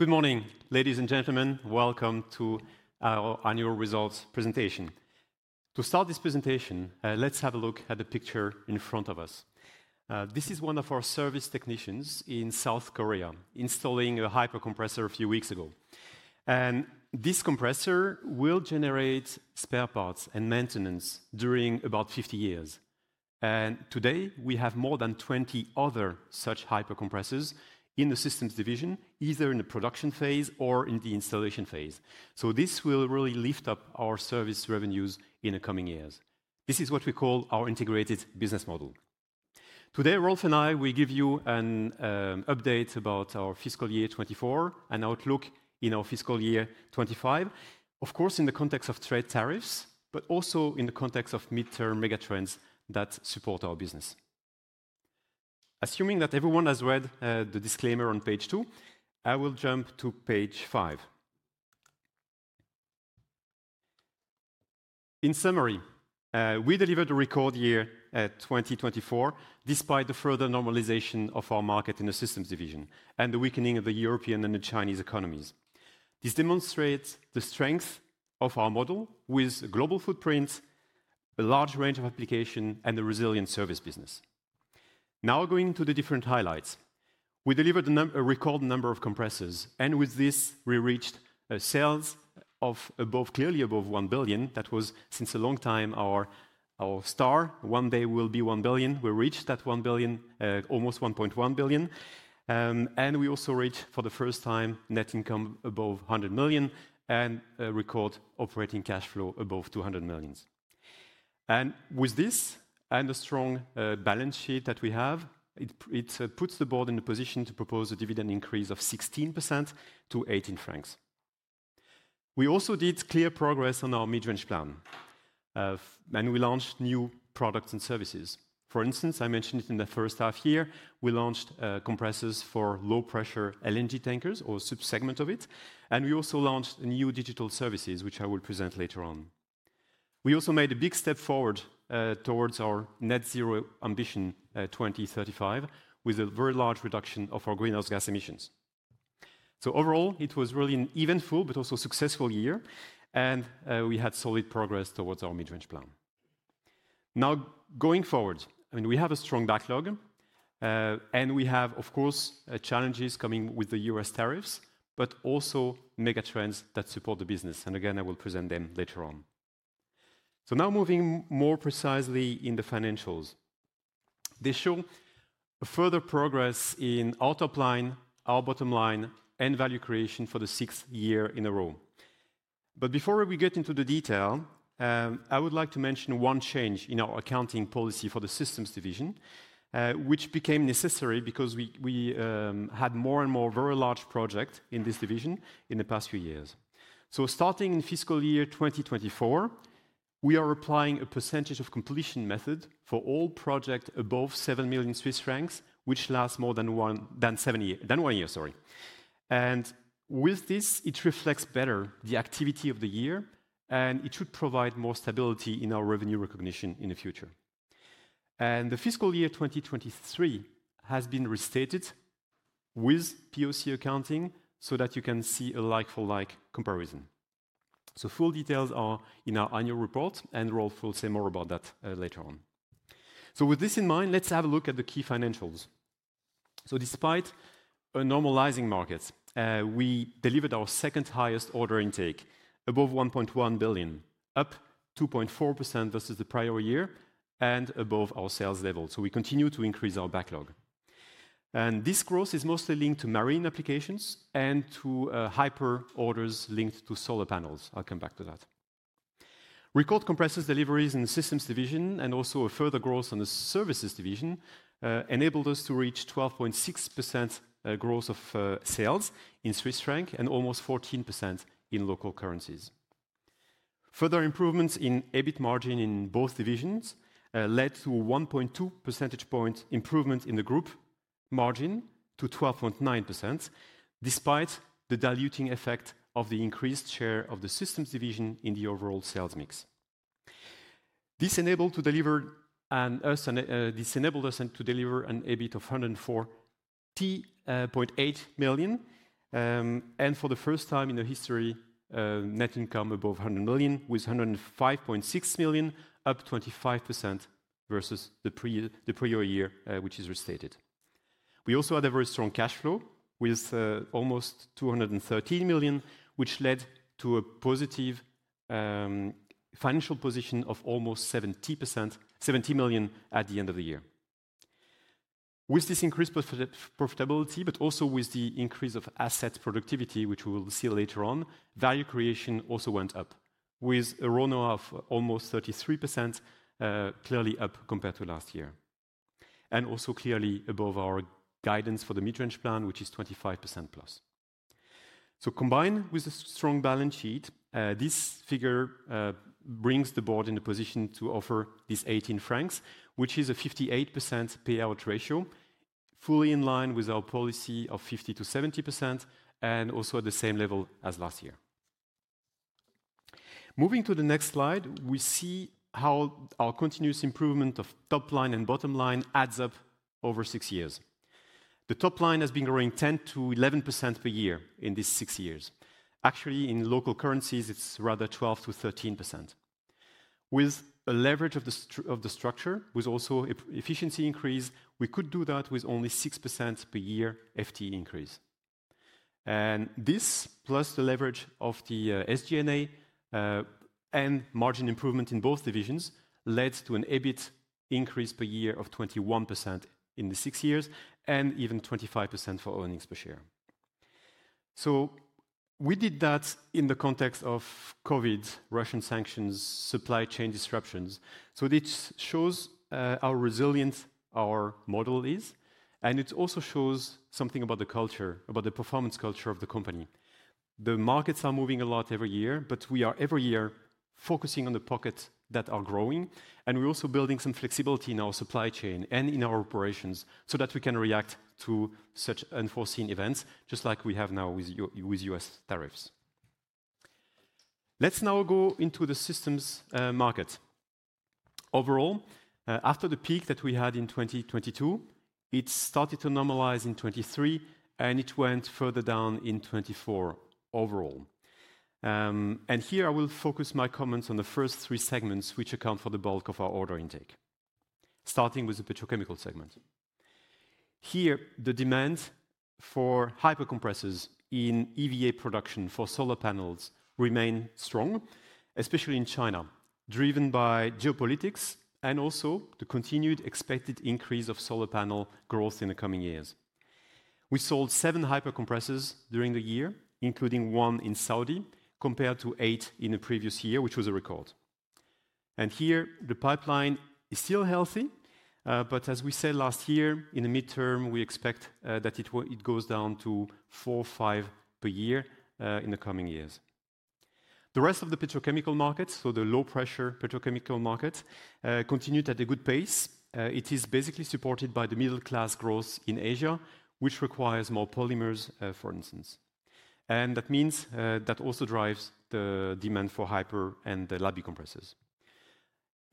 Good morning, ladies and gentlemen. Welcome to our annual results presentation. To start this presentation, let's have a look at the picture in front of us. This is one of our service technicians in South Korea installing a hypercompressor a few weeks ago. This compressor will generate spare parts and maintenance during about 50 years. Today, we have more than 20 other such hypercompressors in the systems division, either in the production phase or in the installation phase. This will really lift up our service revenues in the coming years. This is what we call our integrated business model. Today, Rolf and I, we give you an update about our fiscal year 2024 and outlook in our fiscal year 2025, of course, in the context of trade tariffs, but also in the context of midterm megatrends that support our business. Assuming that everyone has read the disclaimer on page two, I will jump to page five. In summary, we delivered a record year at 2024, despite the further normalization of our market in the systems division and the weakening of the European and the Chinese economies. This demonstrates the strength of our model with a global footprint, a large range of applications, and a resilient service business. Now, going to the different highlights, we delivered a record number of compressors, and with this, we reached sales of clearly above 1 billion. That was, since a long time, our star. One day we'll be 1 billion. We reached that 1 billion, almost 1.1 billion. And we also reached, for the first time, net income above 100 million and a record operating cash flow above 200 million. With this, and the strong balance sheet that we have, it puts the board in a position to propose a dividend increase of 16% to 18 francs. We also did clear progress on our mid-range plan, and we launched new products and services. For instance, I mentioned it in the first half year, we launched compressors for low-pressure LNG tankers or a subsegment of it. We also launched new digital services, which I will present later on. We also made a big step forward towards our net zero ambition 2035 with a very large reduction of our greenhouse gas emissions. Overall, it was really an eventful but also successful year, and we had solid progress towards our mid-range plan. Now, going forward, I mean, we have a strong backlog, and we have, of course, challenges coming with the U.S. tariffs, but also megatrends that support the business. Again, I will present them later on. Now, moving more precisely in the financials, they show further progress in our top line, our bottom line, and value creation for the sixth year in a row. Before we get into the detail, I would like to mention one change in our accounting policy for the Systems division, which became necessary because we had more and more very large projects in this division in the past few years. Starting in fiscal year 2024, we are applying a percentage of completion method for all projects above 7 million Swiss francs which last more than one year, sorry. With this, it reflects better the activity of the year, and it should provide more stability in our revenue recognition in the future. The fiscal year 2023 has been restated with POC accounting so that you can see a like-for-like comparison. Full details are in our annual report, and Rolf will say more about that later on. With this in mind, let's have a look at the key financials. Despite a normalizing market, we delivered our second highest order intake, above 1.1 billion, up 2.4% versus the prior year, and above our sales level. We continue to increase our backlog. This growth is mostly linked to marine applications and to hyper orders linked to solar panels. I'll come back to that. Record compressors deliveries in the systems division and also a further growth in the services division enabled us to reach 12.6% growth of sales in Swiss francs and almost 14% in local currencies. Further improvements in EBIT margin in both divisions led to a 1.2 percentage point improvement in the group margin to 12.9%, despite the diluting effect of the increased share of the Systems division in the overall sales mix. This enabled us to deliver an EBIT of 104.8 million, and for the first time in the history, net income above 100 million with 105.6 million, up 25% versus the prior year, which is restated. We also had a very strong cash flow with almost 213 million, which led to a positive financial position of almost 70 million at the end of the year. With this increased profitability, but also with the increase of asset productivity, which we will see later on, value creation also went up with a run-off of almost 33%, clearly up compared to last year, and also clearly above our guidance for the mid-range plan, which is 25% plus. Combined with a strong balance sheet, this figure brings the board in a position to offer this 18 francs, which is a 58% payout ratio, fully in line with our policy of 50%-70%, and also at the same level as last year. Moving to the next slide, we see how our continuous improvement of top line and bottom line adds up over six years. The top line has been growing 10%-11% per year in these six years. Actually, in local currencies, it's rather 12%-13%. With a leverage of the structure, with also efficiency increase, we could do that with only 6% per year FT increase. This, plus the leverage of the SG&A and margin improvement in both divisions, led to an EBIT increase per year of 21% in the six years and even 25% for earnings per share. We did that in the context of COVID, Russian sanctions, supply chain disruptions. This shows how resilient our model is, and it also shows something about the culture, about the performance culture of the company. The markets are moving a lot every year, but we are every year focusing on the pockets that are growing, and we're also building some flexibility in our supply chain and in our operations so that we can react to such unforeseen events, just like we have now with U.S. tariffs. Let's now go into the systems market. Overall, after the peak that we had in 2022, it started to normalize in 2023, and it went further down in 2024 overall. Here, I will focus my comments on the first three segments, which account for the bulk of our order intake, starting with the petrochemical segment. Here, the demand for hypercompressors in EVA production for solar panels remains strong, especially in China, driven by geopolitics and also the continued expected increase of solar panel growth in the coming years. We sold seven hypercompressors during the year, including one in Saudi Arabia, compared to eight in the previous year, which was a record. The pipeline is still healthy, but as we said last year, in the midterm, we expect that it goes down to four or five per year in the coming years. The rest of the petrochemical markets, so the low-pressure petrochemical markets, continued at a good pace. It is basically supported by the middle-class growth in Asia, which requires more polymers, for instance. That means that also drives the demand for hyper and the lab decompressors.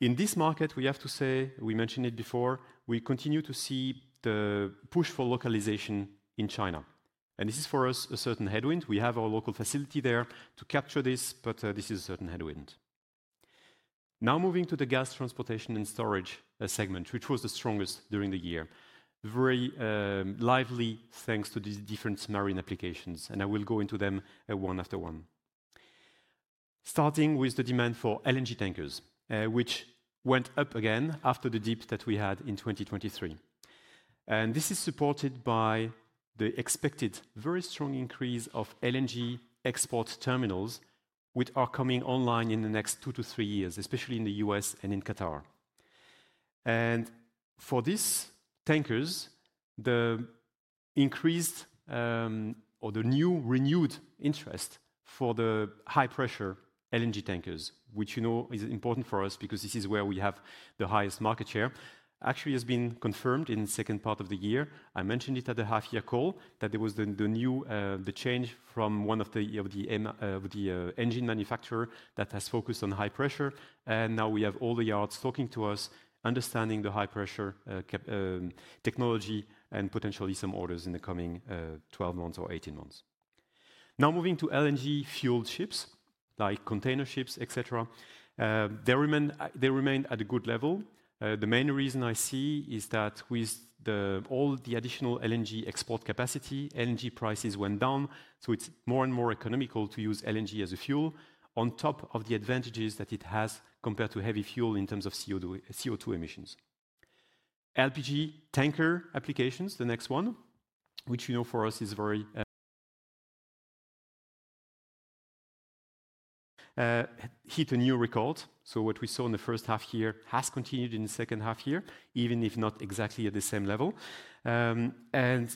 In this market, we have to say, we mentioned it before, we continue to see the push for localization in China. This is, for us, a certain headwind. We have our local facility there to capture this, but this is a certain headwind. Now, moving to the gas transportation and storage segment, which was the strongest during the year, very lively thanks to these different marine applications. I will go into them one after one. Starting with the demand for LNG tankers, which went up again after the dip that we had in 2023. This is supported by the expected very strong increase of LNG export terminals, which are coming online in the next two to three years, especially in the U.S. and in Qatar. For these tankers, the increased or the renewed interest for the high-pressure LNG tankers, which is important for us because this is where we have the highest market share, actually has been confirmed in the second part of the year. I mentioned it at the half-year call that there was the new change from one of the engine manufacturers that has focused on high pressure. Now we have all the yards talking to us, understanding the high-pressure technology and potentially some orders in the coming 12 months or 18 months. Moving to LNG-fueled ships like container ships, etc., they remained at a good level. The main reason I see is that with all the additional LNG export capacity, LNG prices went down, so it is more and more economical to use LNG as a fuel on top of the advantages that it has compared to heavy fuel in terms of CO2 emissions. LPG tanker applications, the next one, which for us has really hit a new record. What we saw in the first half year has continued in the second half year, even if not exactly at the same level.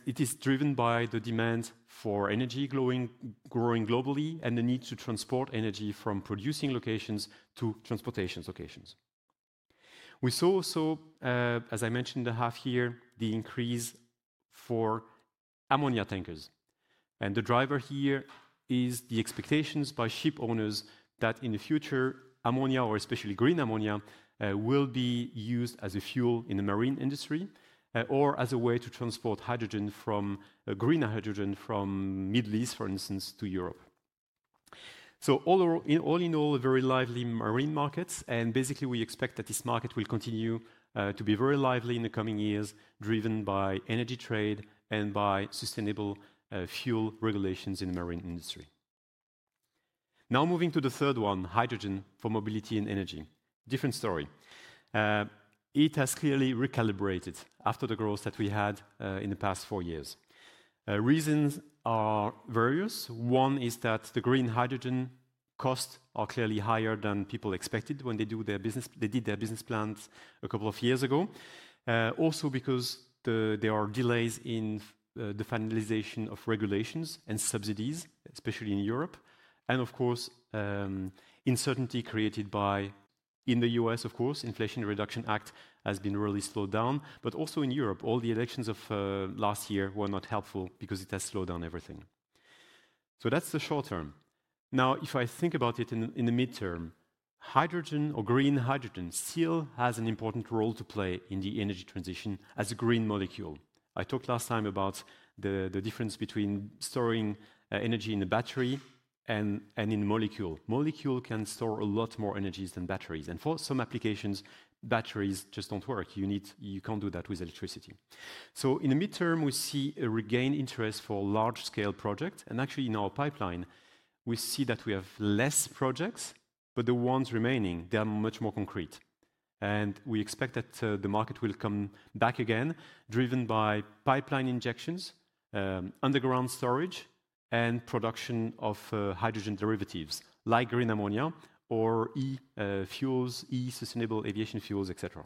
It is driven by the demand for energy growing globally and the need to transport energy from producing locations to transportation locations. We saw also, as I mentioned in the half year, the increase for ammonia tankers. The driver here is the expectations by ship owners that in the future, ammonia, or especially green ammonia, will be used as a fuel in the marine industry or as a way to transport hydrogen from green hydrogen from the Middle East, for instance, to Europe. All in all, very lively marine markets. Basically, we expect that this market will continue to be very lively in the coming years, driven by energy trade and by sustainable fuel regulations in the marine industry. Now, moving to the third one, hydrogen for mobility and energy. Different story. It has clearly recalibrated after the growth that we had in the past four years. Reasons are various. One is that the green hydrogen costs are clearly higher than people expected when they did their business plans a couple of years ago. Also because there are delays in the finalization of regulations and subsidies, especially in Europe. Of course, uncertainty created by, in the U.S., of course, the Inflation Reduction Act has been really slowed down. Also in Europe, all the elections of last year were not helpful because it has slowed down everything. That is the short term. Now, if I think about it in the midterm, hydrogen or green hydrogen still has an important role to play in the energy transition as a green molecule. I talked last time about the difference between storing energy in a battery and in a molecule. Molecules can store a lot more energies than batteries. For some applications, batteries just do not work. You cannot do that with electricity. In the midterm, we see a regained interest for large-scale projects. Actually, in our pipeline, we see that we have fewer projects, but the ones remaining are much more concrete. We expect that the market will come back again, driven by pipeline injections, underground storage, and production of hydrogen derivatives like green ammonia or e-fuels, e-sustainable aviation fuels, etc.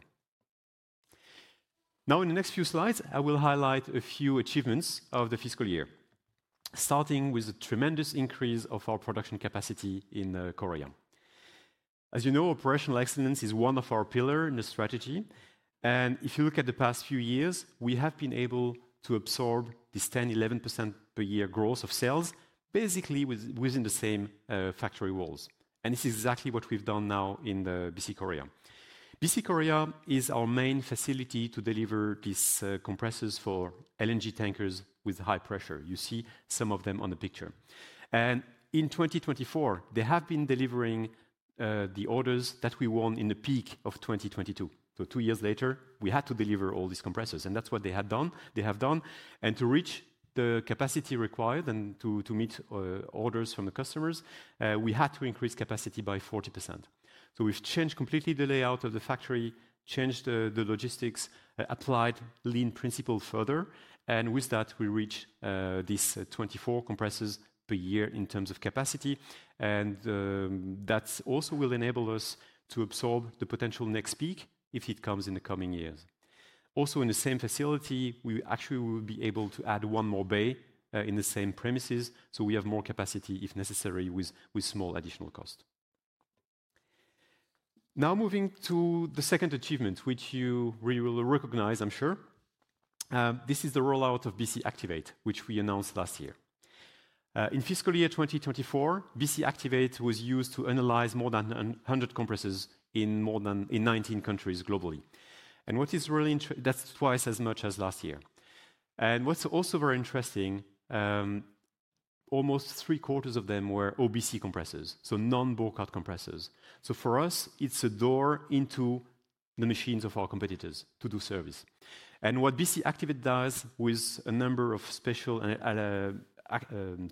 In the next few slides, I will highlight a few achievements of the fiscal year, starting with a tremendous increase of our production capacity in Korea. As you know, operational excellence is one of our pillars in the strategy. If you look at the past few years, we have been able to absorb this 10%-11% per year growth of sales, basically within the same factory walls. This is exactly what we have done now in BC Korea. BC Korea is our main facility to deliver these compressors for LNG tankers with high pressure. You see some of them on the picture. In 2024, they have been delivering the orders that we won in the peak of 2022. Two years later, we had to deliver all these compressors. That is what they have done. To reach the capacity required and to meet orders from the customers, we had to increase capacity by 40%. We changed completely the layout of the factory, changed the logistics, applied lean principle further. With that, we reach these 24 compressors per year in terms of capacity. That also will enable us to absorb the potential next peak if it comes in the coming years. Also, in the same facility, we actually will be able to add one more bay in the same premises. We have more capacity, if necessary, with small additional cost. Now, moving to the second achievement, which you will recognize, I'm sure. This is the rollout of BC Activate, which we announced last year. In fiscal year 2024, BC Activate was used to analyze more than 100 compressors in 19 countries globally. What is really interesting, that's twice as much as last year. What's also very interesting, almost three quarters of them were OBC compressors, so non-Burckhardt compressors. For us, it's a door into the machines of our competitors to do service. What BC Activate does with a number of special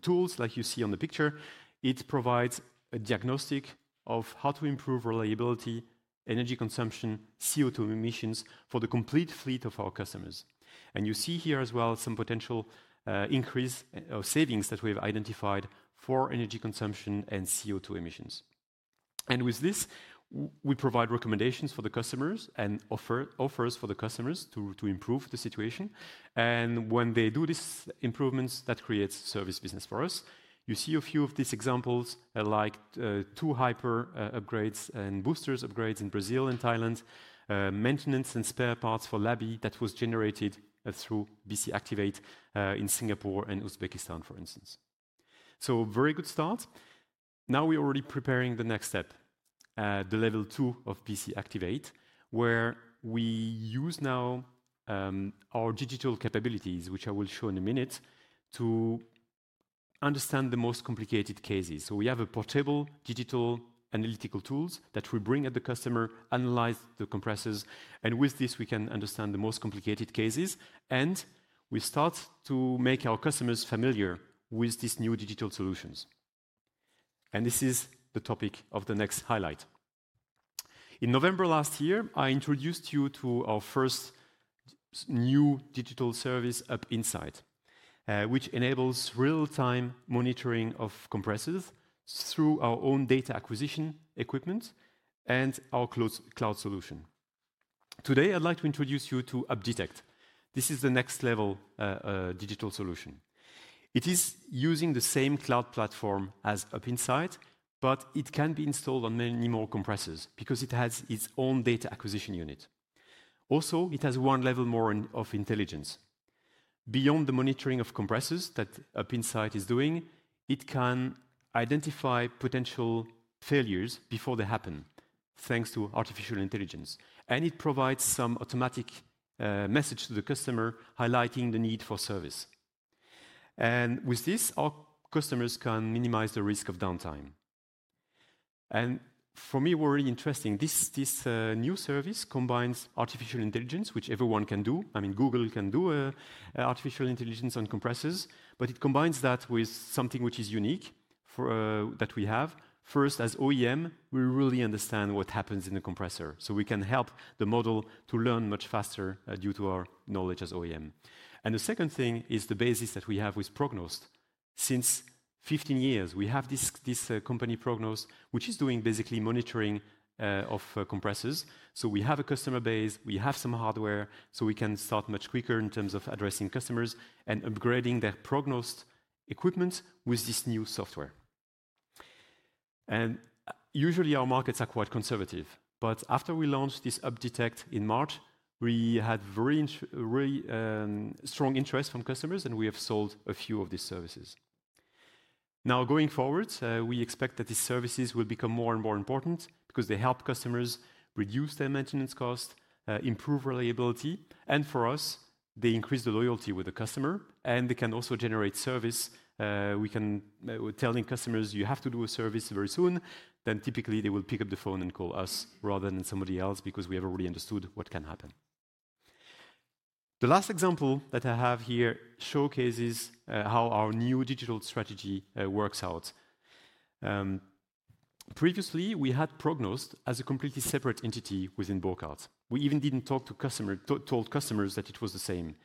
tools, like you see on the picture, it provides a diagnostic of how to improve reliability, energy consumption, CO2 emissions for the complete fleet of our customers. You see here as well some potential increase of savings that we have identified for energy consumption and CO2 emissions. With this, we provide recommendations for the customers and offers for the customers to improve the situation. When they do these improvements, that creates service business for us. You see a few of these examples, like two hyper upgrades and boosters upgrades in Brazil and Thailand, maintenance and spare parts for LABI that was generated through BC Activate in Singapore and Uzbekistan, for instance. Very good start. Now we're already preparing the next step, the level two of BC Activate, where we use now our digital capabilities, which I will show in a minute, to understand the most complicated cases. We have a portable digital analytical tool that we bring at the customer, analyze the compressors. With this, we can understand the most complicated cases. We start to make our customers familiar with these new digital solutions. This is the topic of the next highlight. In November last year, I introduced you to our first new digital service, UpInsight, which enables real-time monitoring of compressors through our own data acquisition equipment and our cloud solution. Today, I'd like to introduce you to UpDetect. This is the next-level digital solution. It is using the same cloud platform as UpInsight, but it can be installed on many more compressors because it has its own data acquisition unit. Also, it has one level more of intelligence. Beyond the monitoring of compressors that UpInsight is doing, it can identify potential failures before they happen thanks to artificial intelligence. It provides some automatic message to the customer highlighting the need for service. With this, our customers can minimize the risk of downtime. For me, it was really interesting. This new service combines artificial intelligence, which everyone can do. I mean, Google can do artificial intelligence on compressors, but it combines that with something which is unique that we have. First, as OEM, we really understand what happens in the compressor. We can help the model to learn much faster due to our knowledge as OEM. The second thing is the basis that we have with Prognost. Since 15 years, we have this company Prognost, which is doing basically monitoring of compressors. We have a customer base. We have some hardware. We can start much quicker in terms of addressing customers and upgrading their Prognost equipment with this new software. Usually, our markets are quite conservative. After we launched this UpDetect in March, we had very strong interest from customers, and we have sold a few of these services. Now, going forward, we expect that these services will become more and more important because they help customers reduce their maintenance cost, improve reliability. For us, they increase the loyalty with the customer, and they can also generate service. We can tell customers, "You have to do a service very soon." Typically, they will pick up the phone and call us rather than somebody else because we have already understood what can happen. The last example that I have here showcases how our new digital strategy works out. Previously, we had Prognost as a completely separate entity within Burckhardt. We even did not tell customers that it was the same.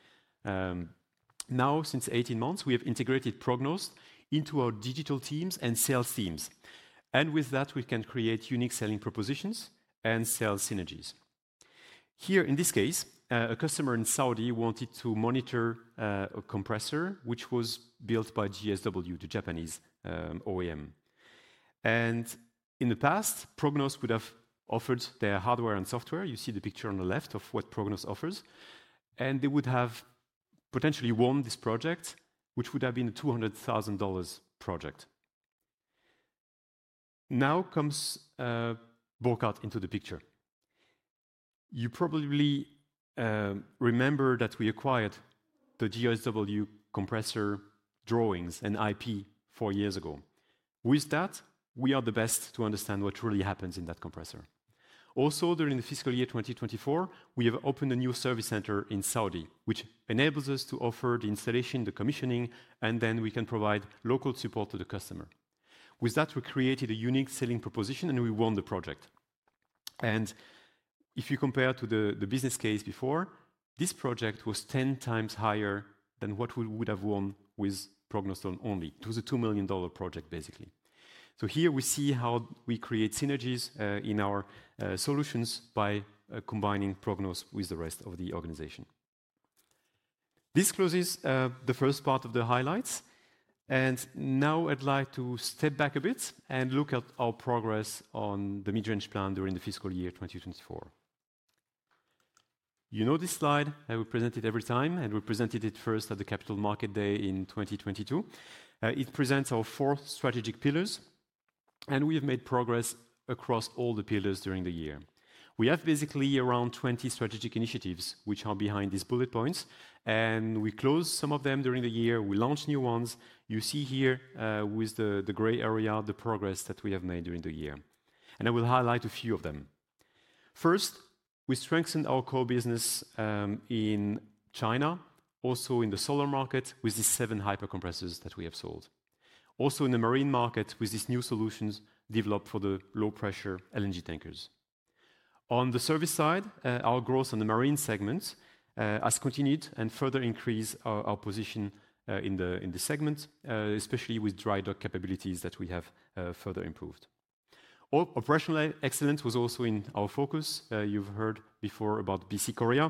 Now, since 18 months, we have integrated Prognost into our digital teams and sales teams. With that, we can create unique selling propositions and sales synergies. Here, in this case, a customer in Saudi wanted to monitor a compressor, which was built by GSW, the Japanese OEM. In the past, Prognost would have offered their hardware and software. You see the picture on the left of what Prognost offers. They would have potentially won this project, which would have been a $200,000 project. Now comes Burckhardt into the picture. You probably remember that we acquired the GSW compressor drawings and IP four years ago. With that, we are the best to understand what really happens in that compressor. Also, during the fiscal year 2024, we have opened a new service center in Saudi, which enables us to offer the installation, the commissioning, and then we can provide local support to the customer. With that, we created a unique selling proposition, and we won the project. If you compare to the business case before, this project was 10 times higher than what we would have won with Prognost only. It was a $2 million project, basically. Here, we see how we create synergies in our solutions by combining Prognost with the rest of the organization. This closes the first part of the highlights. Now, I'd like to step back a bit and look at our progress on the mid-range plan during the fiscal year 2024. You know this slide. I will present it every time. We presented it first at the Capital Market Day in 2022. It presents our four strategic pillars. We have made progress across all the pillars during the year. We have basically around 20 strategic initiatives which are behind these bullet points. We closed some of them during the year. We launched new ones. You see here with the gray area the progress that we have made during the year. I will highlight a few of them. First, we strengthened our core business in China, also in the solar market with these seven hypercompressors that we have sold. Also, in the marine market with these new solutions developed for the low-pressure LNG tankers. On the service side, our growth on the marine segment has continued and further increased our position in the segment, especially with dry dock capabilities that we have further improved. Operational excellence was also in our focus. You've heard before about BC Korea.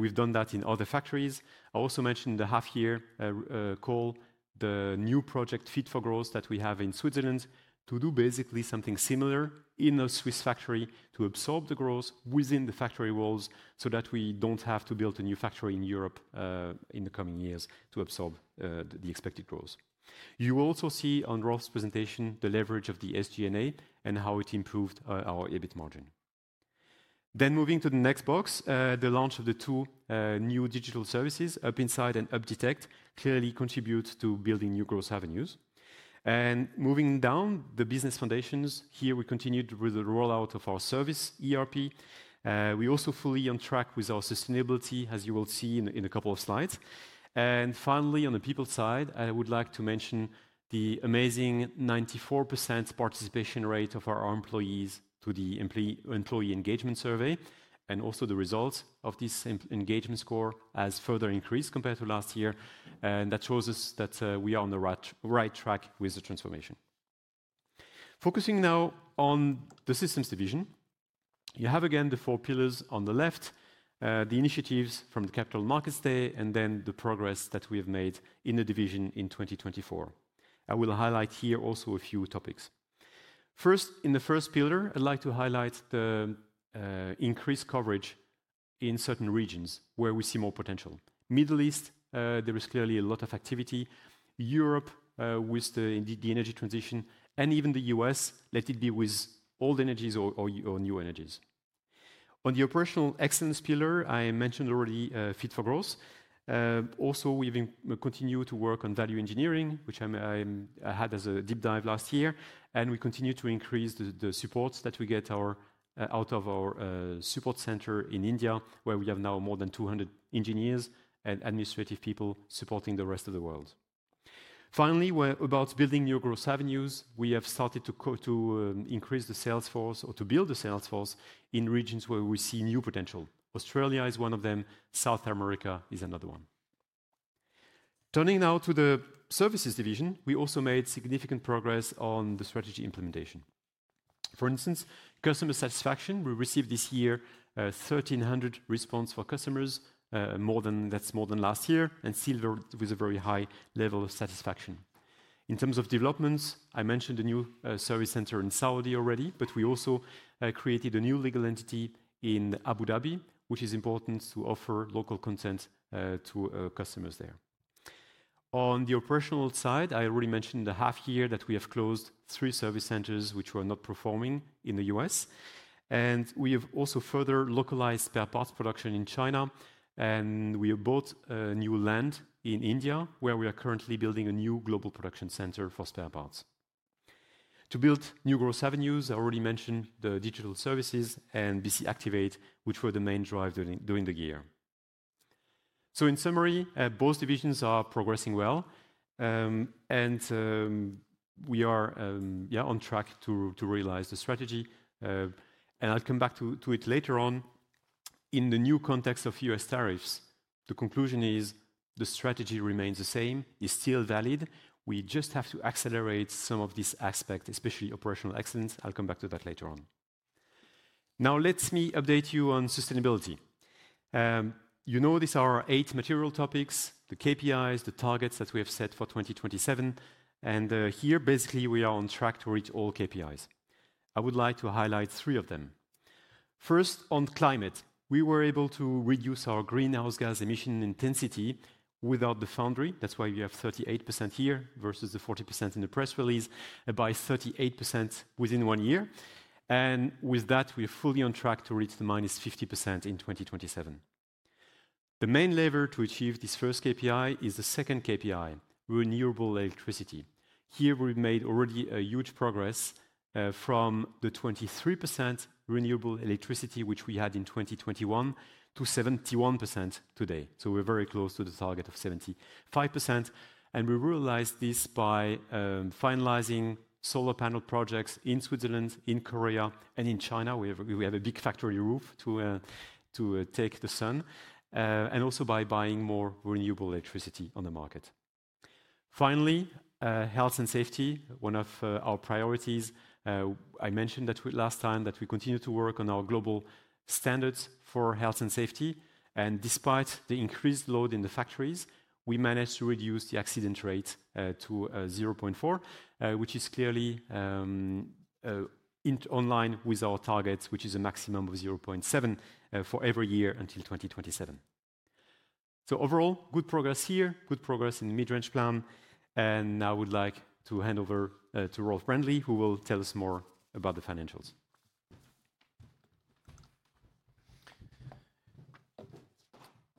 We've done that in other factories. I also mentioned in the half-year call the new project Fit for Growth that we have in Switzerland to do basically something similar in a Swiss factory to absorb the growth within the factory walls so that we do not have to build a new factory in Europe in the coming years to absorb the expected growth. You also see on Rolf's presentation the leverage of the SG&A and how it improved our EBIT margin. Moving to the next box, the launch of the two new digital services, UpInsight and UpDetect, clearly contributes to building new growth avenues. Moving down the business foundations, here we continued with the rollout of our service ERP. We are also fully on track with our sustainability, as you will see in a couple of slides. Finally, on the people side, I would like to mention the amazing 94% participation rate of our employees to the employee engagement survey. Also, the results of this engagement score have further increased compared to last year. That shows us that we are on the right track with the transformation. Focusing now on the systems division, you have again the four pillars on the left, the initiatives from the Capital Markets Day, and then the progress that we have made in the division in 2024. I will highlight here also a few topics. First, in the first pillar, I would like to highlight the increased coverage in certain regions where we see more potential. Middle East, there is clearly a lot of activity. Europe, with the energy transition, and even the U.S., let it be with old energies or new energies. On the operational excellence pillar, I mentioned already Fit for Growth. Also, we continue to work on value engineering, which I had as a deep dive last year. We continue to increase the supports that we get out of our support center in India, where we have now more than 200 engineers and administrative people supporting the rest of the world. Finally, about building new growth avenues, we have started to increase the sales force or to build the sales force in regions where we see new potential. Australia is one of them. South America is another one. Turning now to the services division, we also made significant progress on the strategy implementation. For instance, customer satisfaction, we received this year 1,300 responses for customers. That is more than last year. Still, with a very high level of satisfaction. In terms of developments, I mentioned the new service center in Saudi Arabia already, but we also created a new legal entity in Abu Dhabi, which is important to offer local consent to customers there. On the operational side, I already mentioned in the half-year that we have closed three service centers which were not performing in the U.S. We have also further localized spare parts production in China. We have bought new land in India where we are currently building a new global production center for spare parts. To build new growth avenues, I already mentioned the digital services and BC Activate, which were the main drive during the year. In summary, both divisions are progressing well. We are on track to realize the strategy. I'll come back to it later on. In the new context of U.S. tariffs, the conclusion is the strategy remains the same. It's still valid. We just have to accelerate some of these aspects, especially operational excellence. I'll come back to that later on. Now, let me update you on sustainability. You know these are eight material topics, the KPIs, the targets that we have set for 2027. Here, basically, we are on track to reach all KPIs. I would like to highlight three of them. First, on climate, we were able to reduce our greenhouse gas emission intensity without the foundry. That's why we have 38% here versus the 40% in the press release, by 38% within one year. With that, we are fully on track to reach the minus 50% in 2027. The main lever to achieve this first KPI is the second KPI, renewable electricity. Here, we made already a huge progress from the 23% renewable electricity which we had in 2021 to 71% today. We are very close to the target of 75%. We realized this by finalizing solar panel projects in Switzerland, in Korea, and in China. We have a big factory roof to take the sun. Also by buying more renewable electricity on the market. Finally, health and safety, one of our priorities. I mentioned that last time that we continue to work on our global standards for health and safety. Despite the increased load in the factories, we managed to reduce the accident rate to 0.4, which is clearly in line with our targets, which is a maximum of 0.7 for every year until 2027. Overall, good progress here, good progress in the mid-range plan. Now I would like to hand over to Rolf Brändli, who will tell us more about the financials.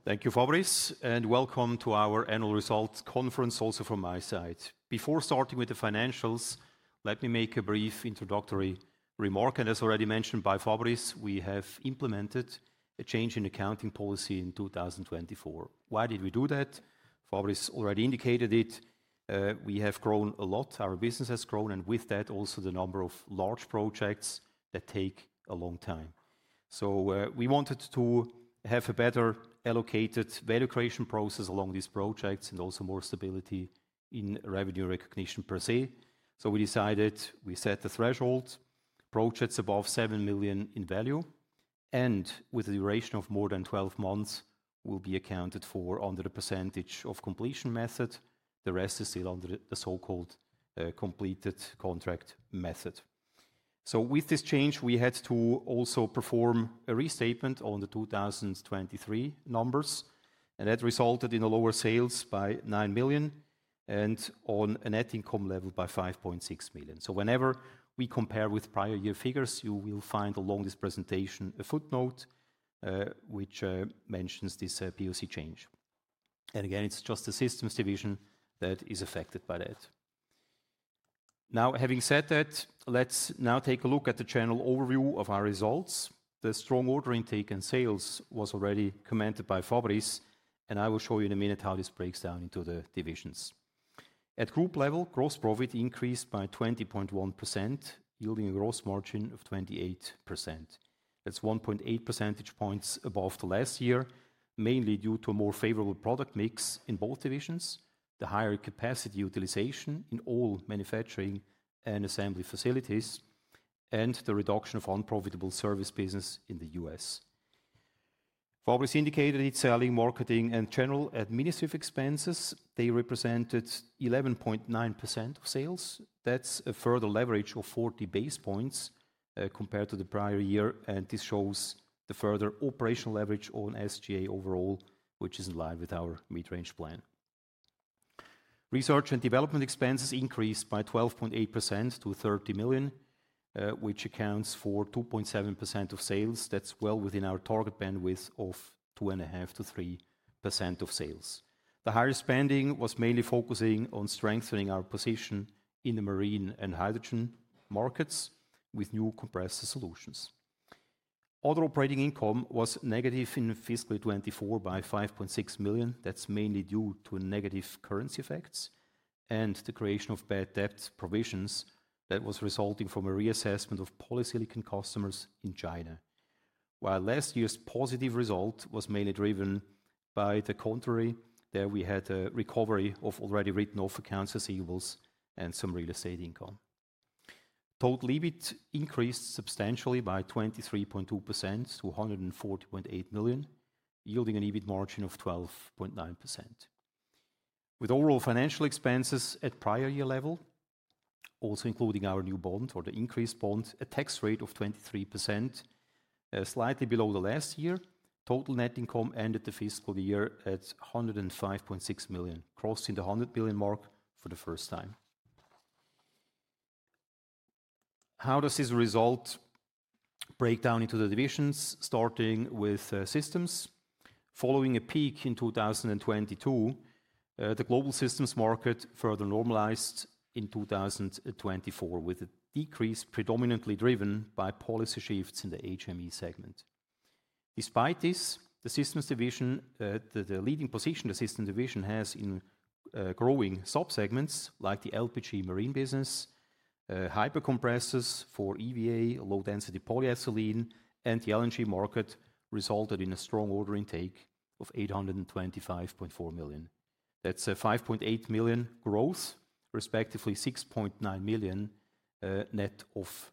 Thank you, Fabrice. Welcome to our annual results conference also from my side. Before starting with the financials, let me make a brief introductory remark. As already mentioned by Fabrice, we have implemented a change in accounting policy in 2024. Why did we do that? Fabrice has already indicated it. We have grown a lot. Our business has grown. With that, also the number of large projects that take a long time. We wanted to have a better allocated value creation process along these projects and also more stability in revenue recognition per se. We decided we set the threshold projects above 7 million in value and with a duration of more than 12 months will be accounted for under the percentage of completion method. The rest is still under the so-called completed contract method. With this change, we had to also perform a restatement on the 2023 numbers. That resulted in a lower sales by 9 million and on a net income level by 5.6 million. Whenever we compare with prior year figures, you will find along this presentation a footnote which mentions this POC change. It is just the systems division that is affected by that. Now, having said that, let's now take a look at the general overview of our results. The strong order intake and sales was already commented by Fabrice. I will show you in a minute how this breaks down into the divisions. At group level, gross profit increased by 20.1%, yielding a gross margin of 28%. That's 1.8 percentage points above the last year, mainly due to a more favorable product mix in both divisions, the higher capacity utilization in all manufacturing and assembly facilities, and the reduction of unprofitable service business in the US. Fabrice indicated its selling, marketing, and general administrative expenses. They represented 11.9% of sales. That's a further leverage of 40 basis points compared to the prior year. This shows the further operational leverage on SG&A overall, which is in line with our mid-range plan. Research and development expenses increased by 12.8% to 30 million, which accounts for 2.7% of sales. That's well within our target bandwidth of 2.5%-3% of sales. The higher spending was mainly focusing on strengthening our position in the marine and hydrogen markets with new compressor solutions. Order operating income was negative in fiscal 2024 by 5.6 million. That's mainly due to negative currency effects and the creation of bad debt provisions that was resulting from a reassessment of polysilicon customers in China. While last year's positive result was mainly driven by the contrary, there we had a recovery of already written-off accounts receivables and some real estate income. Total EBIT increased substantially by 23.2% to 140.8 million, yielding an EBIT margin of 12.9%. With overall financial expenses at prior year level, also including our new bond or the increased bond, a tax rate of 23%, slightly below the last year, total net income ended the fiscal year at 105.6 million, crossing the 100 million mark for the first time. How does this result break down into the divisions? Starting with systems, following a peak in 2022, the global systems market further normalized in 2024 with a decrease predominantly driven by policy shifts in the HME segment. Despite this, the systems division, the leading position the systems division has in growing subsegments like the LPG marine business, hyper compressors for EVA, low-density polyethylene, and the LNG market resulted in a strong order intake of 825.4 million. That's a 5.8 million growth, respectively 6.9 million net of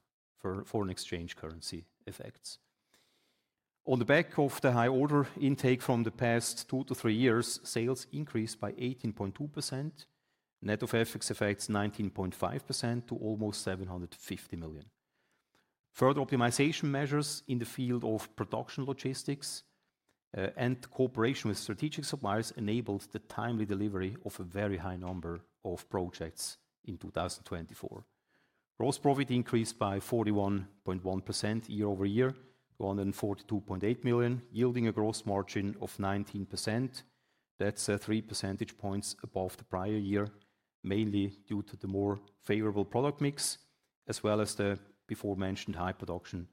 foreign exchange currency effects. On the back of the high order intake from the past two to three years, sales increased by 18.2%, net of effects effects 19.5% to almost 750 million. Further optimization measures in the field of production logistics and cooperation with strategic suppliers enabled the timely delivery of a very high number of projects in 2024. Gross profit increased by 41.1% year over year, 242.8 million, yielding a gross margin of 19%. That's 3 percentage points above the prior year, mainly due to the more favorable product mix, as well as the before-mentioned high production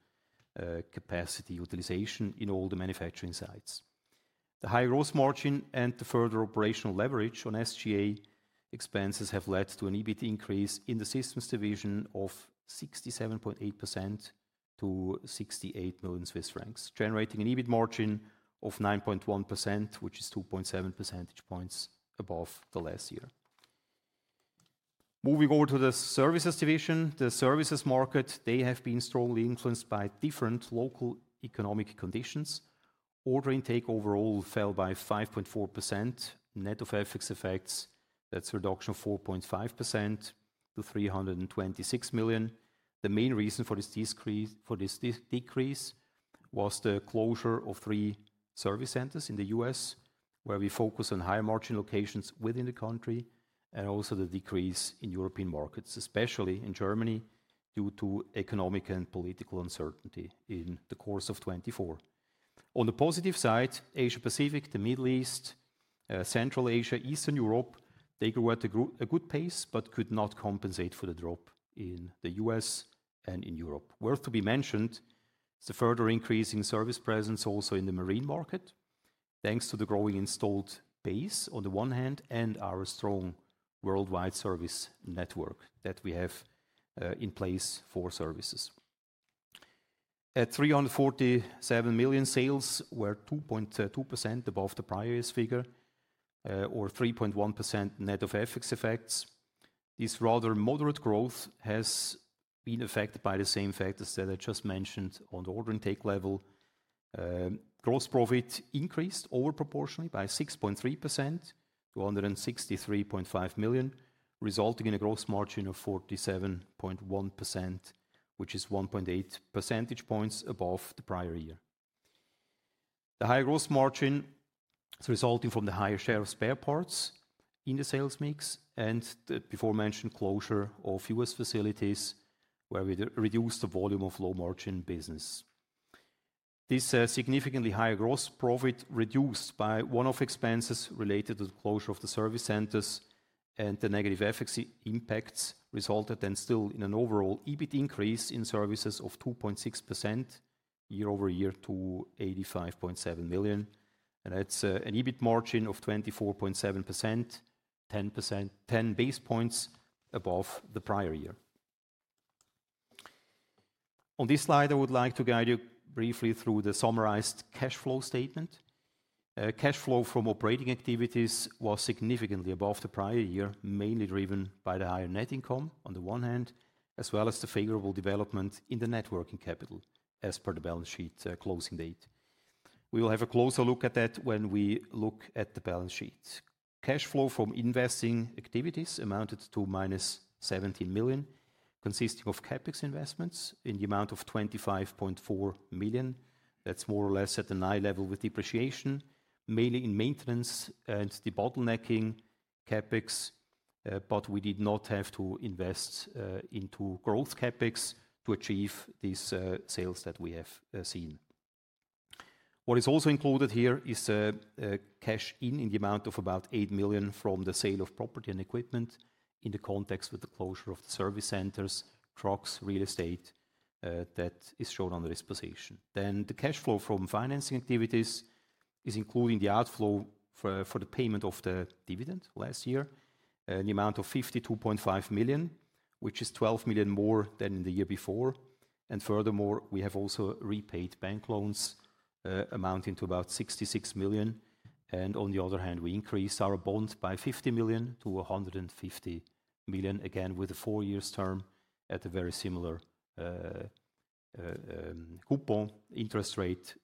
capacity utilization in all the manufacturing sites. The high gross margin and the further operational leverage on SG&A expenses have led to an EBIT increase in the systems division of 67.8% to 68 million Swiss francs, generating an EBIT margin of 9.1%, which is 2.7 percentage points above the last year. Moving over to the services division, the services market, they have been strongly influenced by different local economic conditions. Order intake overall fell by 5.4%, net of effects. That's a reduction of 4.5% to 326 million. The main reason for this decrease was the closure of three service centers in the U.S., where we focus on high margin locations within the country, and also the decrease in European markets, especially in Germany, due to economic and political uncertainty in the course of 2024. On the positive side, Asia Pacific, the Middle East, Central Asia, Eastern Europe, they grew at a good pace, but could not compensate for the drop in the U.S. and in Europe. Worth to be mentioned is the further increase in service presence also in the marine market, thanks to the growing installed base on the one hand and our strong worldwide service network that we have in place for services. At 347 million sales, we're 2.2% above the prior year's figure, or 3.1% net of effects. This rather moderate growth has been affected by the same factors that I just mentioned on the order intake level. Gross profit increased overproportionally by 6.3% to 163.5 million, resulting in a gross margin of 47.1%, which is 1.8 percentage points above the prior year. The higher gross margin is resulting from the higher share of spare parts in the sales mix and the before-mentioned closure of U.S. facilities, where we reduced the volume of low-margin business. This significantly higher gross profit reduced by one-off expenses related to the closure of the service centers and the negative effects impacts resulted then still in an overall EBIT increase in services of 2.6% year over year to 85.7 million. That is an EBIT margin of 24.7%, 10 basis points above the prior year. On this slide, I would like to guide you briefly through the summarized cash flow statement. Cash flow from operating activities was significantly above the prior year, mainly driven by the higher net income on the one hand, as well as the favorable development in the net working capital as per the balance sheet closing date. We will have a closer look at that when we look at the balance sheet. Cash flow from investing activities amounted to -17 million, consisting of CapEx investments in the amount of 25.4 million. That's more or less at an eye level with depreciation, mainly in maintenance and the bottlenecking CapEx. We did not have to invest into growth CapEx to achieve these sales that we have seen. What is also included here is cash in in the amount of about 8 million from the sale of property and equipment in the context with the closure of the service centers, trucks, real estate that is shown on the disposition. The cash flow from financing activities is including the outflow for the payment of the dividend last year, in the amount of 52.5 million, which is 12 million more than in the year before. Furthermore, we have also repaid bank loans amounting to about 66 million. On the other hand, we increased our bond by 50 million to 150 million, again with a four-year term at a very similar coupon interest rate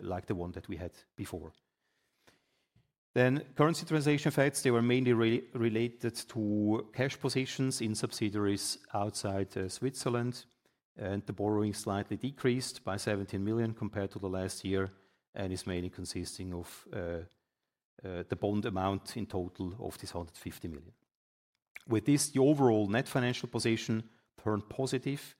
like the one that we had before. Currency translation effects were mainly related to cash positions in subsidiaries outside Switzerland. The borrowing slightly decreased by 17 million compared to last year and is mainly consisting of the bond amount in total of this 150 million. With this, the overall net financial position turned positive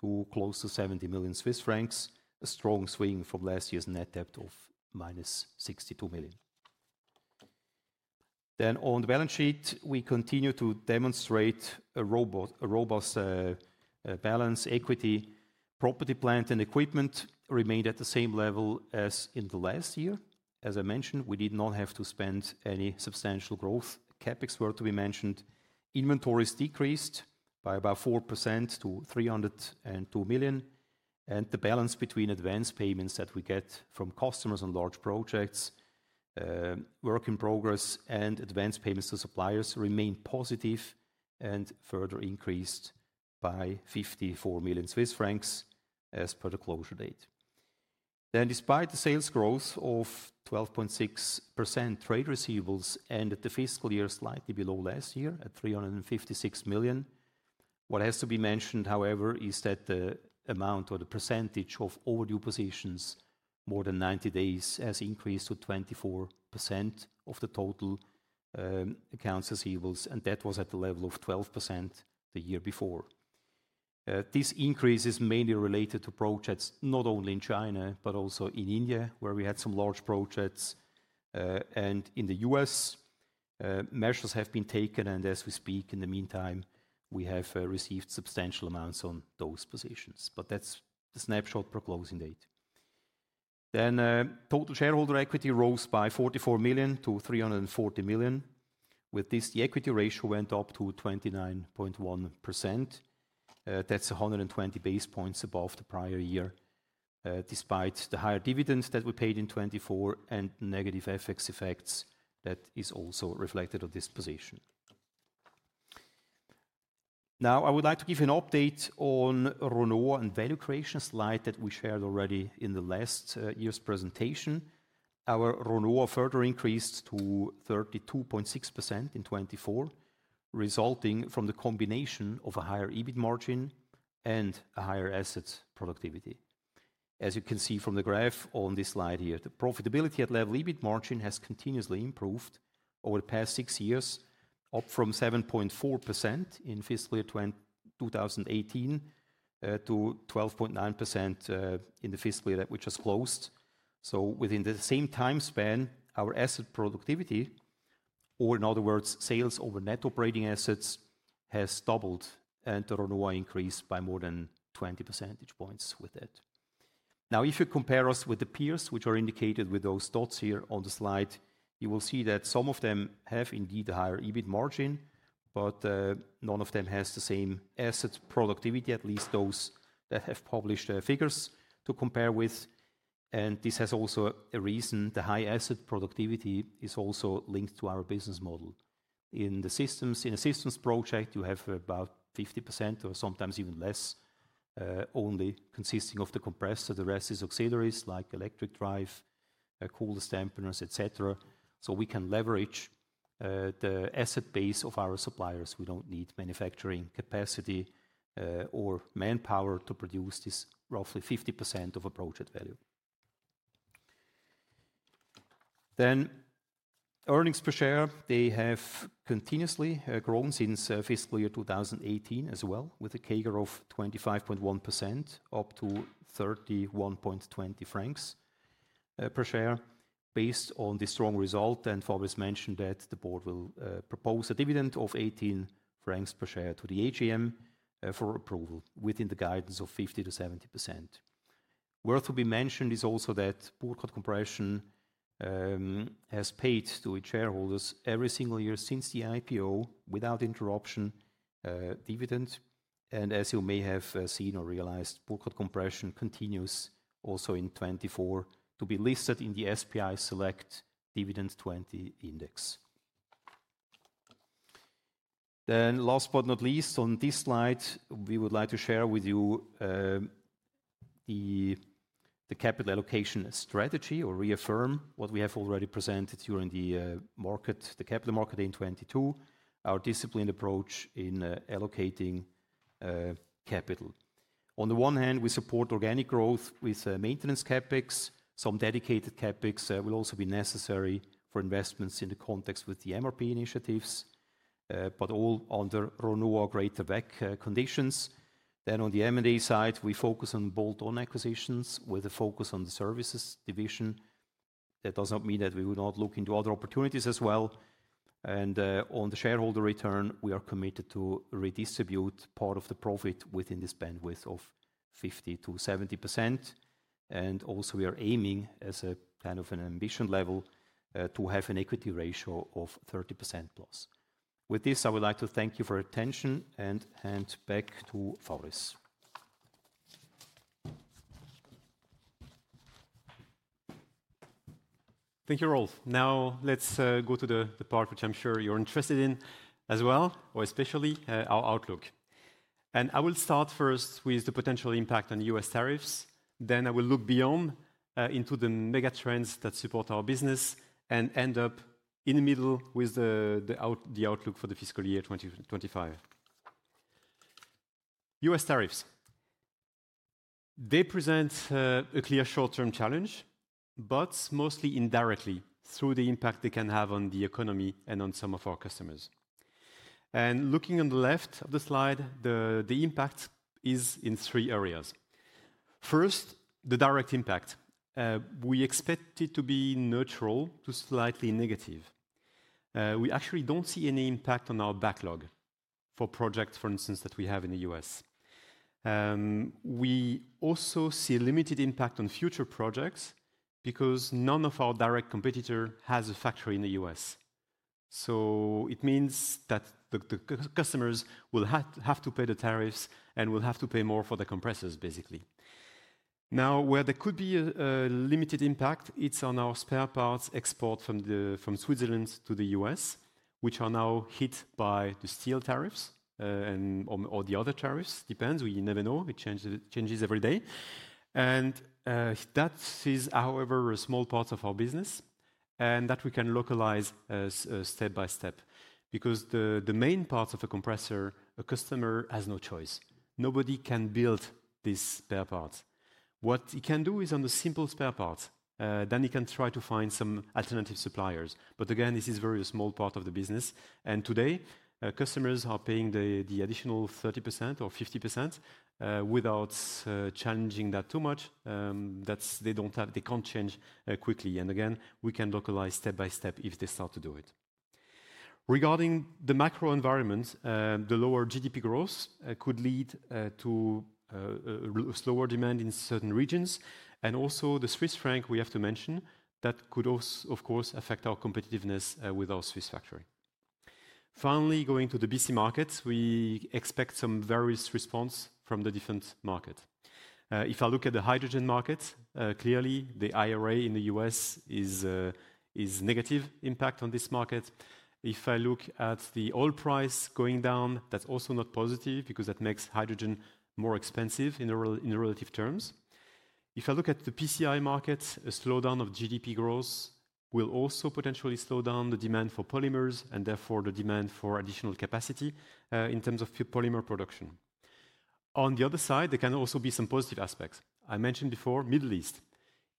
to close to 70 million Swiss francs, a strong swing from last year's net debt of minus 62 million. On the balance sheet, we continue to demonstrate a robust balance equity. Property, plant, and equipment remained at the same level as in the last year. As I mentioned, we did not have to spend any substantial growth. CapEx were to be mentioned. Inventories decreased by about 4% to 302 million. The balance between advance payments that we get from customers on large projects, work in progress, and advance payments to suppliers remained positive and further increased by 54 million Swiss francs as per the closure date. Despite the sales growth of 12.6%, trade receivables in the fiscal year were slightly below last year at 356 million. What has to be mentioned, however, is that the amount or the percentage of overdue positions more than 90 days has increased to 24% of the total accounts receivables. That was at the level of 12% the year before. This increase is mainly related to projects not only in China, but also in India, where we had some large projects. In the U.S., measures have been taken. As we speak, in the meantime, we have received substantial amounts on those positions. That is the snapshot per closing date. Total shareholder equity rose by 44 million to 340 million. With this, the equity ratio went up to 29.1%. That's 120 basis points above the prior year, despite the higher dividends that we paid in 2024 and negative effects that is also reflected on this position. Now, I would like to give you an update on Renoir and value creation slide that we shared already in the last year's presentation. Our Renoir further increased to 32.6% in 2024, resulting from the combination of a higher EBIT margin and a higher asset productivity. As you can see from the graph on this slide here, the profitability at level EBIT margin has continuously improved over the past six years, up from 7.4% in fiscal year 2018 to 12.9% in the fiscal year that which has closed. Within the same time span, our asset productivity, or in other words, sales over net operating assets has doubled, and the Renoir increased by more than 20 percentage points with that. Now, if you compare us with the peers, which are indicated with those dots here on the slide, you will see that some of them have indeed a higher EBIT margin, but none of them has the same asset productivity, at least those that have published figures to compare with. This has also a reason. The high asset productivity is also linked to our business model. In a systems project, you have about 50% or sometimes even less, only consisting of the compressor. The rest is auxiliaries like electric drive, cooler stampers, etc. We can leverage the asset base of our suppliers. We do not need manufacturing capacity or manpower to produce this roughly 50% of approached value. Earnings per share have continuously grown since fiscal year 2018 as well, with a CAGR of 25.1% up to 31.20 francs per share. Based on this strong result, and Fabrice mentioned that the board will propose a dividend of 18 francs per share to the AGM for approval within the guidance of 50-70%. Worth to be mentioned is also that Burckhardt Compression has paid to its shareholders every single year since the IPO without interruption dividend. As you may have seen or realized, Burckhardt Compression continues also in 2024 to be listed in the SPI Select Dividend 20 index. Last but not least, on this slide, we would like to share with you the capital allocation strategy or reaffirm what we have already presented during the capital market in 2022, our disciplined approach in allocating capital. On the one hand, we support organic growth with maintenance CapEx. Some dedicated CapEx will also be necessary for investments in the context with the MRP initiatives, but all under Renoir greater back conditions. On the M&A side, we focus on bolt-on acquisitions with a focus on the services division. That does not mean that we will not look into other opportunities as well. On the shareholder return, we are committed to redistribute part of the profit within this bandwidth of 50-70%. We are also aiming as a kind of an ambition level to have an equity ratio of 30% plus. With this, I would like to thank you for your attention and hand back to Fabrice. Thank you all. Now let's go to the part which I'm sure you're interested in as well, or especially our outlook. I will start first with the potential impact on U.S. tariffs. I will look beyond into the mega trends that support our business and end up in the middle with the outlook for the fiscal year 2025. U.S. tariffs present a clear short-term challenge, but mostly indirectly through the impact they can have on the economy and on some of our customers. Looking on the left of the slide, the impact is in three areas. First, the direct impact. We expect it to be neutral to slightly negative. We actually do not see any impact on our backlog for projects, for instance, that we have in the U.S. We also see a limited impact on future projects because none of our direct competitors has a factory in the U.S. It means that the customers will have to pay the tariffs and will have to pay more for the compressors, basically. Now, where there could be a limited impact, it's on our spare parts export from Switzerland to the U.S., which are now hit by the steel tariffs and or the other tariffs. Depends. We never know. It changes every day. That is, however, a small part of our business and that we can localize step by step because the main part of a compressor, a customer has no choice. Nobody can build this spare part. What he can do is on the simple spare part, then he can try to find some alternative suppliers. Again, this is a very small part of the business. Today, customers are paying the additional 30% or 50% without challenging that too much. They don't have, they can't change quickly. Again, we can localize step by step if they start to do it. Regarding the macro environment, the lower GDP growth could lead to slower demand in certain regions. Also, the Swiss franc, we have to mention, that could also, of course, affect our competitiveness with our Swiss factory. Finally, going to the BC markets, we expect some various response from the different markets. If I look at the hydrogen markets, clearly the IRA in the U.S. is a negative impact on this market. If I look at the oil price going down, that's also not positive because that makes hydrogen more expensive in relative terms. If I look at the PCI markets, a slowdown of GDP growth will also potentially slow down the demand for polymers and therefore the demand for additional capacity in terms of polymer production. On the other side, there can also be some positive aspects. I mentioned before, Middle East.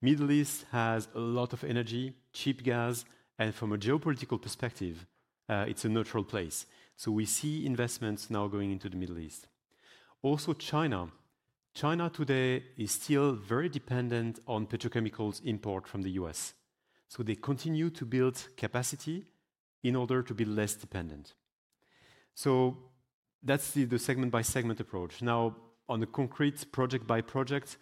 Middle East has a lot of energy, cheap gas, and from a geopolitical perspective, it's a neutral place. We see investments now going into the Middle East. Also China. China today is still very dependent on petrochemicals import from the U.S. They continue to build capacity in order to be less dependent. That's the segment by segment approach. Now, on a concrete project by project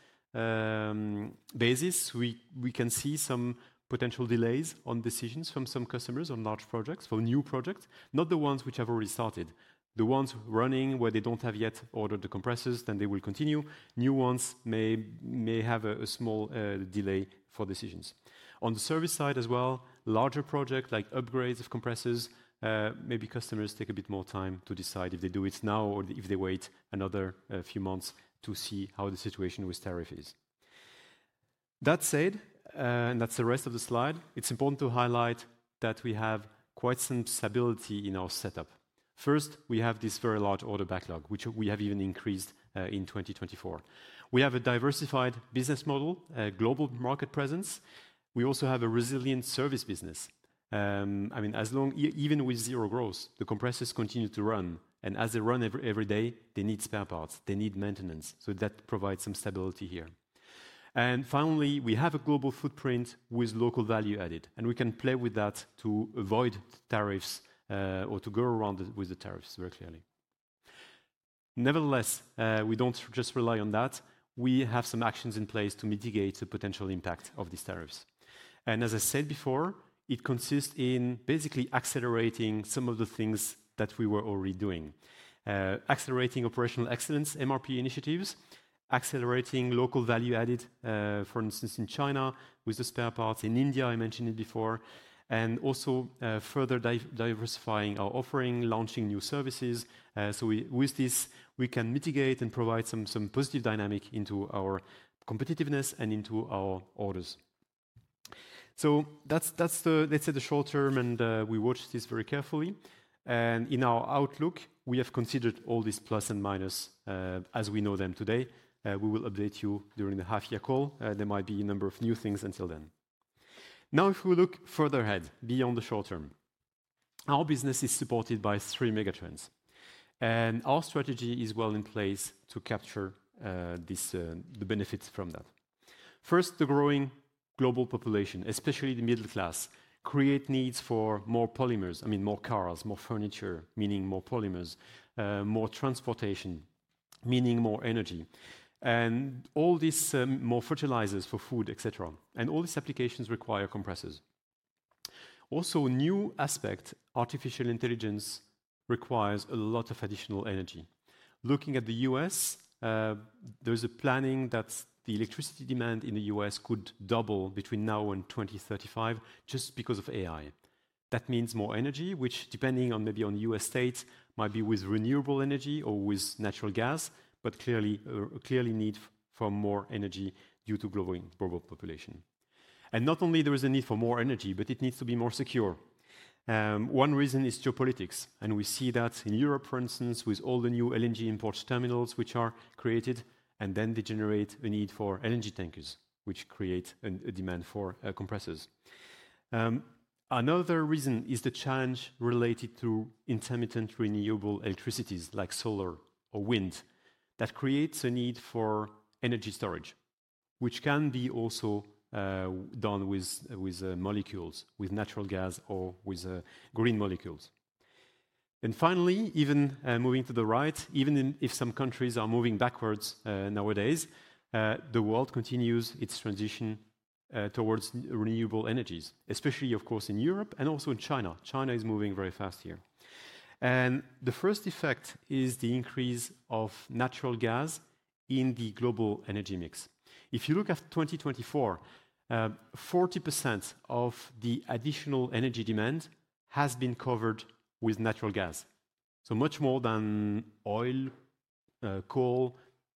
basis, we can see some potential delays on decisions from some customers on large projects for new projects, not the ones which have already started. The ones running where they do not have yet ordered the compressors, they will continue. New ones may have a small delay for decisions. On the service side as well, larger projects like upgrades of compressors, maybe customers take a bit more time to decide if they do it now or if they wait another few months to see how the situation with tariff is. That said, that's the rest of the slide, it's important to highlight that we have quite some stability in our setup. First, we have this very large order backlog, which we have even increased in 2024. We have a diversified business model, a global market presence. We also have a resilient service business. I mean, as long, even with zero growth, the compressors continue to run. As they run every day, they need spare parts. They need maintenance. That provides some stability here. Finally, we have a global footprint with local value added. We can play with that to avoid tariffs or to go around with the tariffs very clearly. Nevertheless, we do not just rely on that. We have some actions in place to mitigate the potential impact of these tariffs. As I said before, it consists in basically accelerating some of the things that we were already doing, accelerating operational excellence, MRP initiatives, accelerating local value added, for instance, in China with the spare parts, in India, I mentioned it before, and also further diversifying our offering, launching new services. With this, we can mitigate and provide some positive dynamic into our competitiveness and into our orders. That is the, let's say, the short term, and we watch this very carefully. In our outlook, we have considered all these plus and minus as we know them today. We will update you during the half-year call. There might be a number of new things until then. Now, if we look further ahead beyond the short term, our business is supported by three mega trends. Our strategy is well in place to capture the benefits from that. First, the growing global population, especially the middle class, create needs for more polymers, I mean, more cars, more furniture, meaning more polymers, more transportation, meaning more energy, and all this more fertilizers for food, etc. All these applications require compressors. Also, new aspect, artificial intelligence requires a lot of additional energy. Looking at the U.S., there is a planning that the electricity demand in the U.S. could double between now and 2035 just because of AI. That means more energy, which, depending on maybe on U.S. states, might be with renewable energy or with natural gas, but clearly need for more energy due to growing global population. Not only is there a need for more energy, but it needs to be more secure. One reason is geopolitics. We see that in Europe, for instance, with all the new LNG import terminals which are created, and they generate a need for LNG tankers, which create a demand for compressors. Another reason is the challenge related to intermittent renewable electricities like solar or wind that creates a need for energy storage, which can also be done with molecules, with natural gas or with green molecules. Finally, even moving to the right, even if some countries are moving backwards nowadays, the world continues its transition towards renewable energies, especially, of course, in Europe and also in China. China is moving very fast here. The first effect is the increase of natural gas in the global energy mix. If you look at 2024, 40% of the additional energy demand has been covered with natural gas. Much more than oil, coal,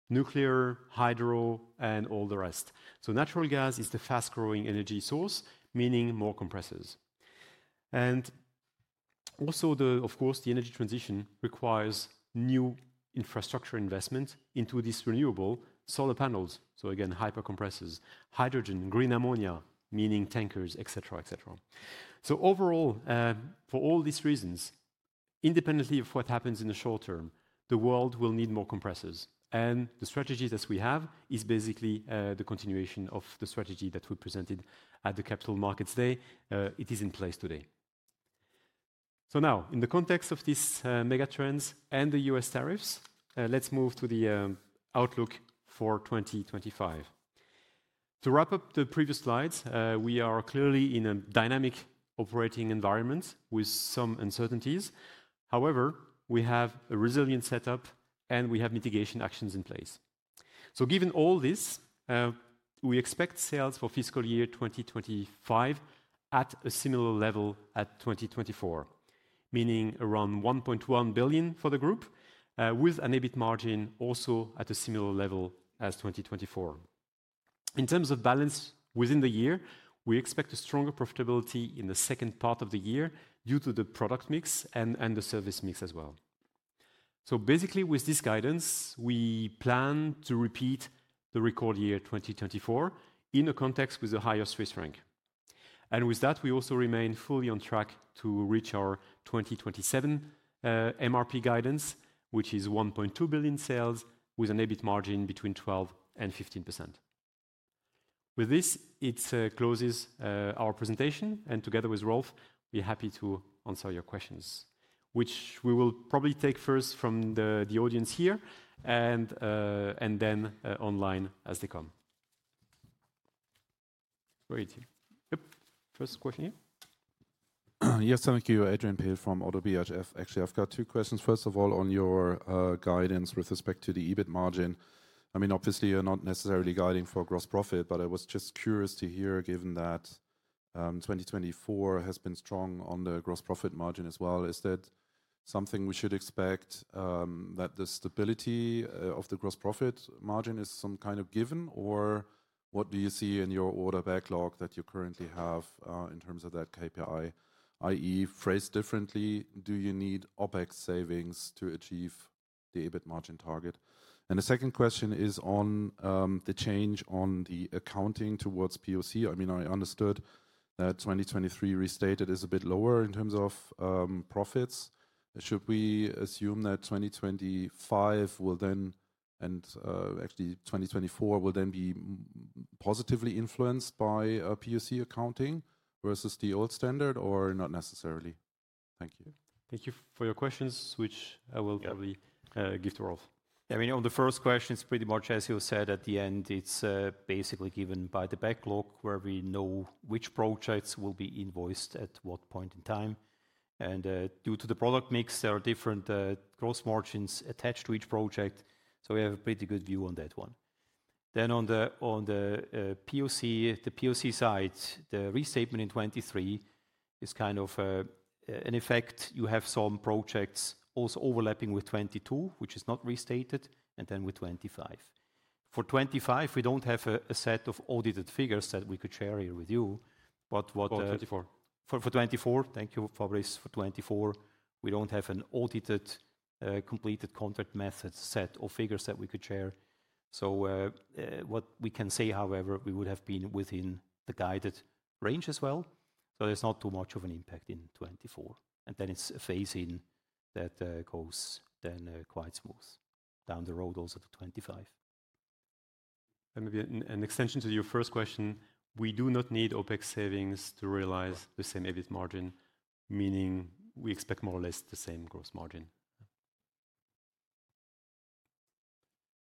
nuclear, hydro, and all the rest. Natural gas is the fast-growing energy source, meaning more compressors. Also, of course, the energy transition requires new infrastructure investment into these renewable solar panels. Again, hyper compressors, hydrogen, green ammonia, meaning tankers, etc., etc. Overall, for all these reasons, independently of what happens in the short term, the world will need more compressors. The strategy that we have is basically the continuation of the strategy that we presented at the Capital Markets Day. It is in place today. Now, in the context of these mega trends and the U.S. tariffs, let's move to the outlook for 2025. To wrap up the previous slides, we are clearly in a dynamic operating environment with some uncertainties. However, we have a resilient setup and we have mitigation actions in place. Given all this, we expect sales for fiscal year 2025 at a similar level as 2024, meaning around 1.1 billion for the group with an EBIT margin also at a similar level as 2024. In terms of balance within the year, we expect a stronger profitability in the second part of the year due to the product mix and the service mix as well. Basically, with this guidance, we plan to repeat the record year 2024 in a context with a higher Swiss franc. With that, we also remain fully on track to reach our 2027 MRP guidance, which is 1.2 billion sales with an EBIT margin between 12-15%. With this, it closes our presentation. Together with Rolf, we're happy to answer your questions, which we will probably take first from the audience here and then online as they come. Great. First question here. Yes, thank you, Adrian Pehl from ODDO BHF. Actually, I've got two questions. First of all, on your guidance with respect to the EBIT margin. I mean, obviously, you're not necessarily guiding for gross profit, but I was just curious to hear, given that 2024 has been strong on the gross profit margin as well. Is that something we should expect, that the stability of the gross profit margin is some kind of given, or what do you see in your order backlog that you currently have in terms of that KPI? I.e., phrased differently, do you need OpEx savings to achieve the EBIT margin target? The second question is on the change on the accounting towards POC. I mean, I understood that 2023 restated is a bit lower in terms of profits. Should we assume that 2025 will then, and actually 2024 will then be positively influenced by POC accounting versus the old standard or not necessarily? Thank you. Thank you for your questions, which I will probably give to Rolf. I mean, on the first question, it's pretty much, as you said, at the end, it's basically given by the backlog where we know which projects will be invoiced at what point in time. Due to the product mix, there are different gross margins attached to each project. We have a pretty good view on that one. On the POC side, the restatement in 2023 is kind of an effect. You have some projects also overlapping with 2022, which is not restated, and then with 2025. For 2025, we do not have a set of audited figures that we could share here with you. For 2024, thank you, Fabrice, for 2024. We do not have an audited completed contract method set of figures that we could share. What we can say, however, is we would have been within the guided range as well. There is not too much of an impact in 2024. It is a phase in that goes then quite smooth down the road also to 2025. Maybe an extension to your first question, we do not need OpEx savings to realize the same EBIT margin, meaning we expect more or less the same gross margin.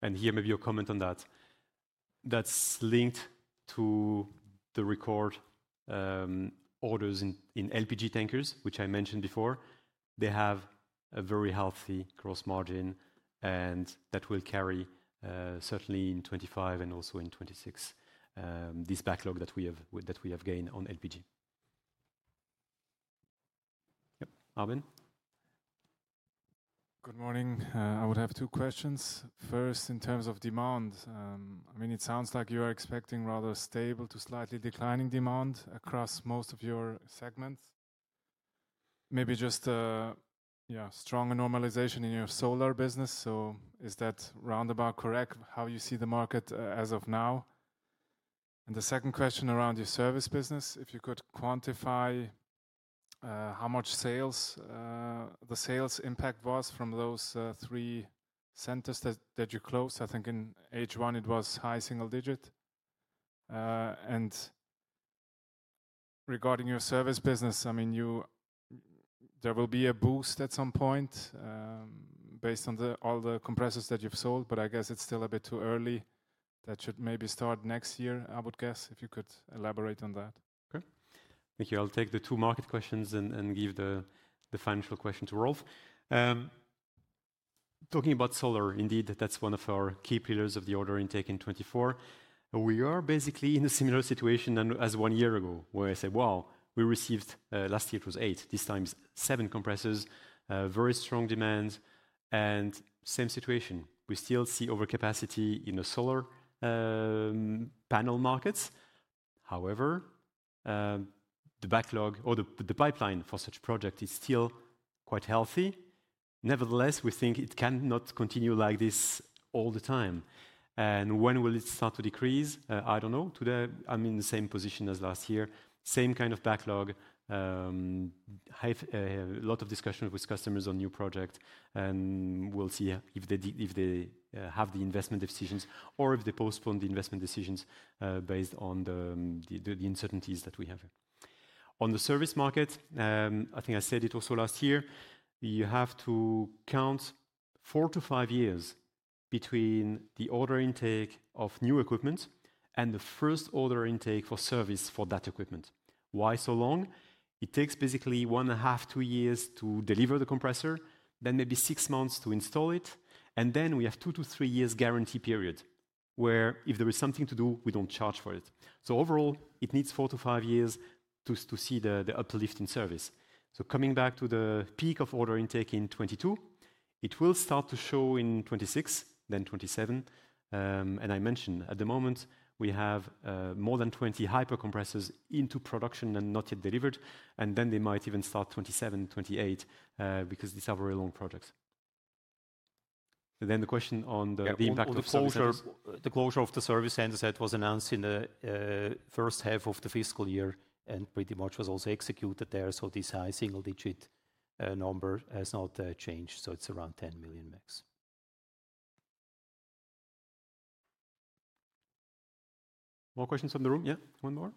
Here, maybe your comment on that, that is linked to the record orders in LPG tankers, which I mentioned before. They have a very healthy gross margin and that will carry certainly in 2025 and also in 2026, this backlog that we have gained on LPG. Yep, Arben? Good morning. I would have two questions. First, in terms of demand, I mean, it sounds like you are expecting rather stable to slightly declining demand across most of your segments. Maybe just, yeah, strong normalization in your solar business. Is that roundabout correct how you see the market as of now? The second question around your service business, if you could quantify how much the sales impact was from those three centers that you closed, I think in H1 it was high single digit. Regarding your service business, I mean, there will be a boost at some point based on all the compressors that you've sold, but I guess it's still a bit too early. That should maybe start next year, I would guess, if you could elaborate on that. Okay. Thank you. I'll take the two market questions and give the financial question to Rolf. Talking about solar, indeed, that's one of our key pillars of the order intake in 2024. We are basically in a similar situation as one year ago where I said, wow, we received last year, it was eight, this time seven compressors, very strong demand. Same situation. We still see overcapacity in the solar panel markets. However, the backlog or the pipeline for such projects is still quite healthy. Nevertheless, we think it cannot continue like this all the time. When will it start to decrease? I don't know. Today, I'm in the same position as last year. Same kind of backlog, a lot of discussion with customers on new projects. We'll see if they have the investment decisions or if they postpone the investment decisions based on the uncertainties that we have here. On the service market, I think I said it also last year, you have to count four to five years between the order intake of new equipment and the first order intake for service for that equipment. Why so long? It takes basically one and a half, two years to deliver the compressor, then maybe six months to install it. Then we have two to three years guarantee period where if there is something to do, we do not charge for it. Overall, it needs four to five years to see the uplift in service. Coming back to the peak of order intake in 2022, it will start to show in 2026, then 2027. I mentioned at the moment, we have more than 20 hypercompressors into production and not yet delivered. They might even start 2027, 2028 because these are very long projects. The question on the impact of the closure of the service centers that was announced in the first half of the fiscal year and pretty much was also executed there. This high single-digit number has not changed. It is around 10 million max. More questions in the room? Yeah, one more.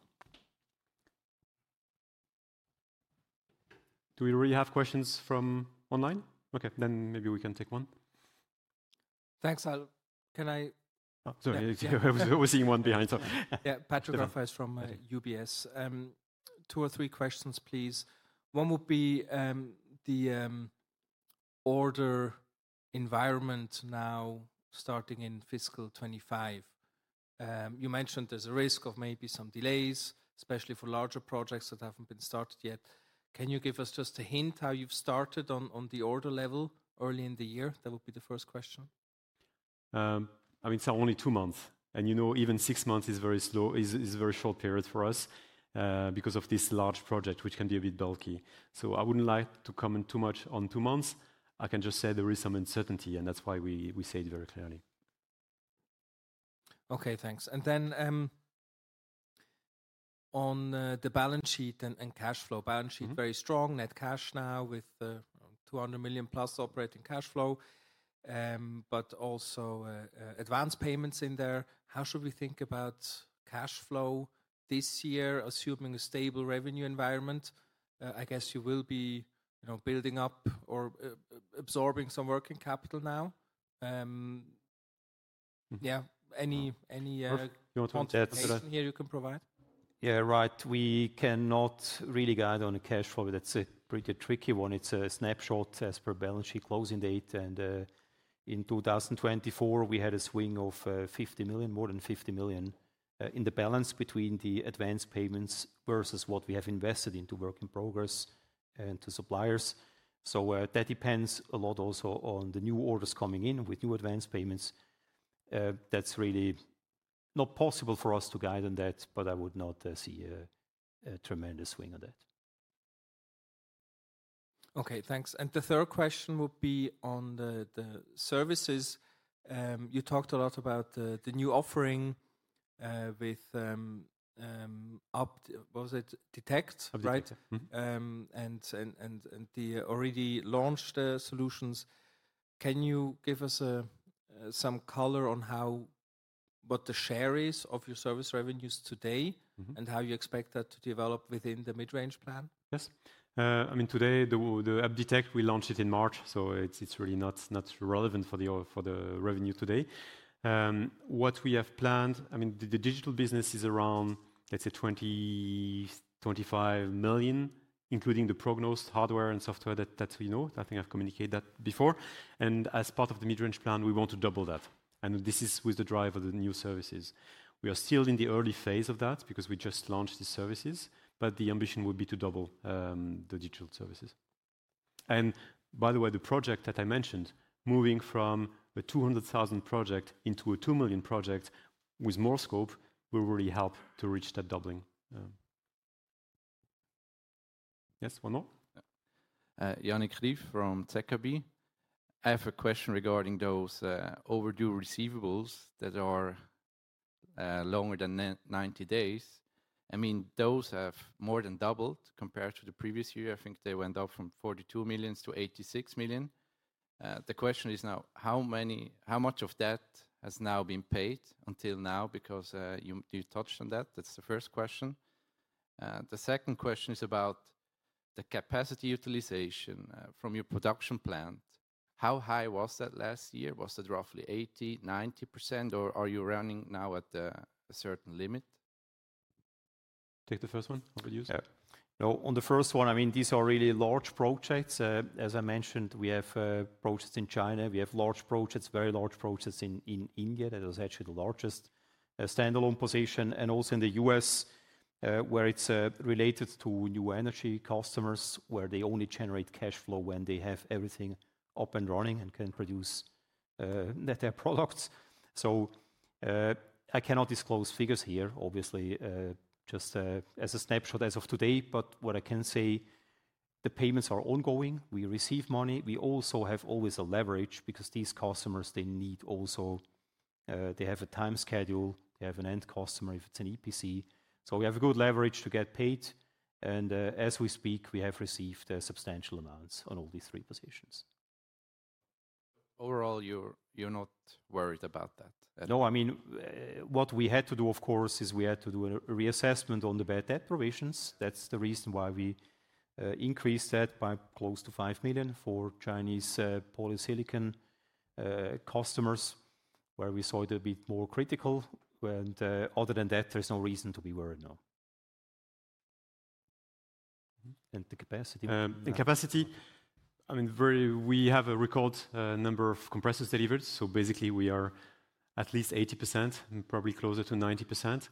Do we already have questions from online? Okay, then maybe we can take one. Thanks, Al. Can I? Sorry, I was seeing one behind. Yeah, Patrick Rafaiz from UBS. Two or three questions, please. One would be the order environment now starting in fiscal 2025. You mentioned there is a risk of maybe some delays, especially for larger projects that have not been started yet. Can you give us just a hint how you've started on the order level early in the year? That would be the first question. I mean, it's only two months. You know, even six months is a very short period for us because of this large project, which can be a bit bulky. I wouldn't like to comment too much on two months. I can just say there is some uncertainty and that's why we say it very clearly. Okay, thanks. On the balance sheet and cash flow, balance sheet very strong, net cash now with 200 million plus operating cash flow, but also advance payments in there. How should we think about cash flow this year, assuming a stable revenue environment? I guess you will be building up or absorbing some working capital now. Yeah, any question here you can provide? Yeah, right. We cannot really guide on a cash flow. That's a pretty tricky one. It's a snapshot as per balance sheet closing date. In 2024, we had a swing of 50 million, more than 50 million in the balance between the advance payments versus what we have invested into work in progress and to suppliers. That depends a lot also on the new orders coming in with new advance payments. That's really not possible for us to guide on that, but I would not see a tremendous swing on that. Okay, thanks. The third question would be on the services. You talked a lot about the new offering with Detect, right? And the already launched solutions. Can you give us some color on what the share is of your service revenues today and how you expect that to develop within the mid-range plan? Yes. I mean, today, the UpDetect, we launched it in March. It is really not relevant for the revenue today. What we have planned, I mean, the digital business is around, let's say, 20 million-25 million, including the Prognost hardware and software that we know. I think I've communicated that before. As part of the mid-range plan, we want to double that. This is with the drive of the new services. We are still in the early phase of that because we just launched the services, but the ambition would be to double the digital services. By the way, the project that I mentioned, moving from a 200,000 project into a 2 million project with more scope, will really help to reach that doubling. Yes, one more? Yannik Ryffrom ZKB. I have a question regarding those overdue receivables that are longer than 90 days. I mean, those have more than doubled compared to the previous year. I think they went up from 42 million to 86 million. The question is now, how much of that has now been paid until now? Because you touched on that. That's the first question. The second question is about the capacity utilization from your production plant. How high was that last year? Was that roughly 80-90%, or are you running now at a certain limit? Take the first one, I'll use it. No, on the first one, I mean, these are really large projects. As I mentioned, we have projects in China. We have large projects, very large projects in India. That is actually the largest standalone position. Also in the U.S., where it is related to new energy customers, they only generate cash flow when they have everything up and running and can produce their products. I cannot disclose figures here, obviously, just as a snapshot as of today. What I can say is the payments are ongoing. We receive money. We also always have a leverage because these customers, they need also, they have a time schedule. They have an end customer if it is an EPC. We have a good leverage to get paid. As we speak, we have received substantial amounts on all these three positions. Overall, you are not worried about that? No, I mean, what we had to do, of course, is we had to do a reassessment on the bad debt provisions. That's the reason why we increased that by close to 5 million for Chinese polysilicon customers, where we saw it a bit more critical. Other than that, there's no reason to be worried now. The capacity? The capacity, I mean, we have a record number of compressors delivered. Basically, we are at least 80%, probably closer to 90%.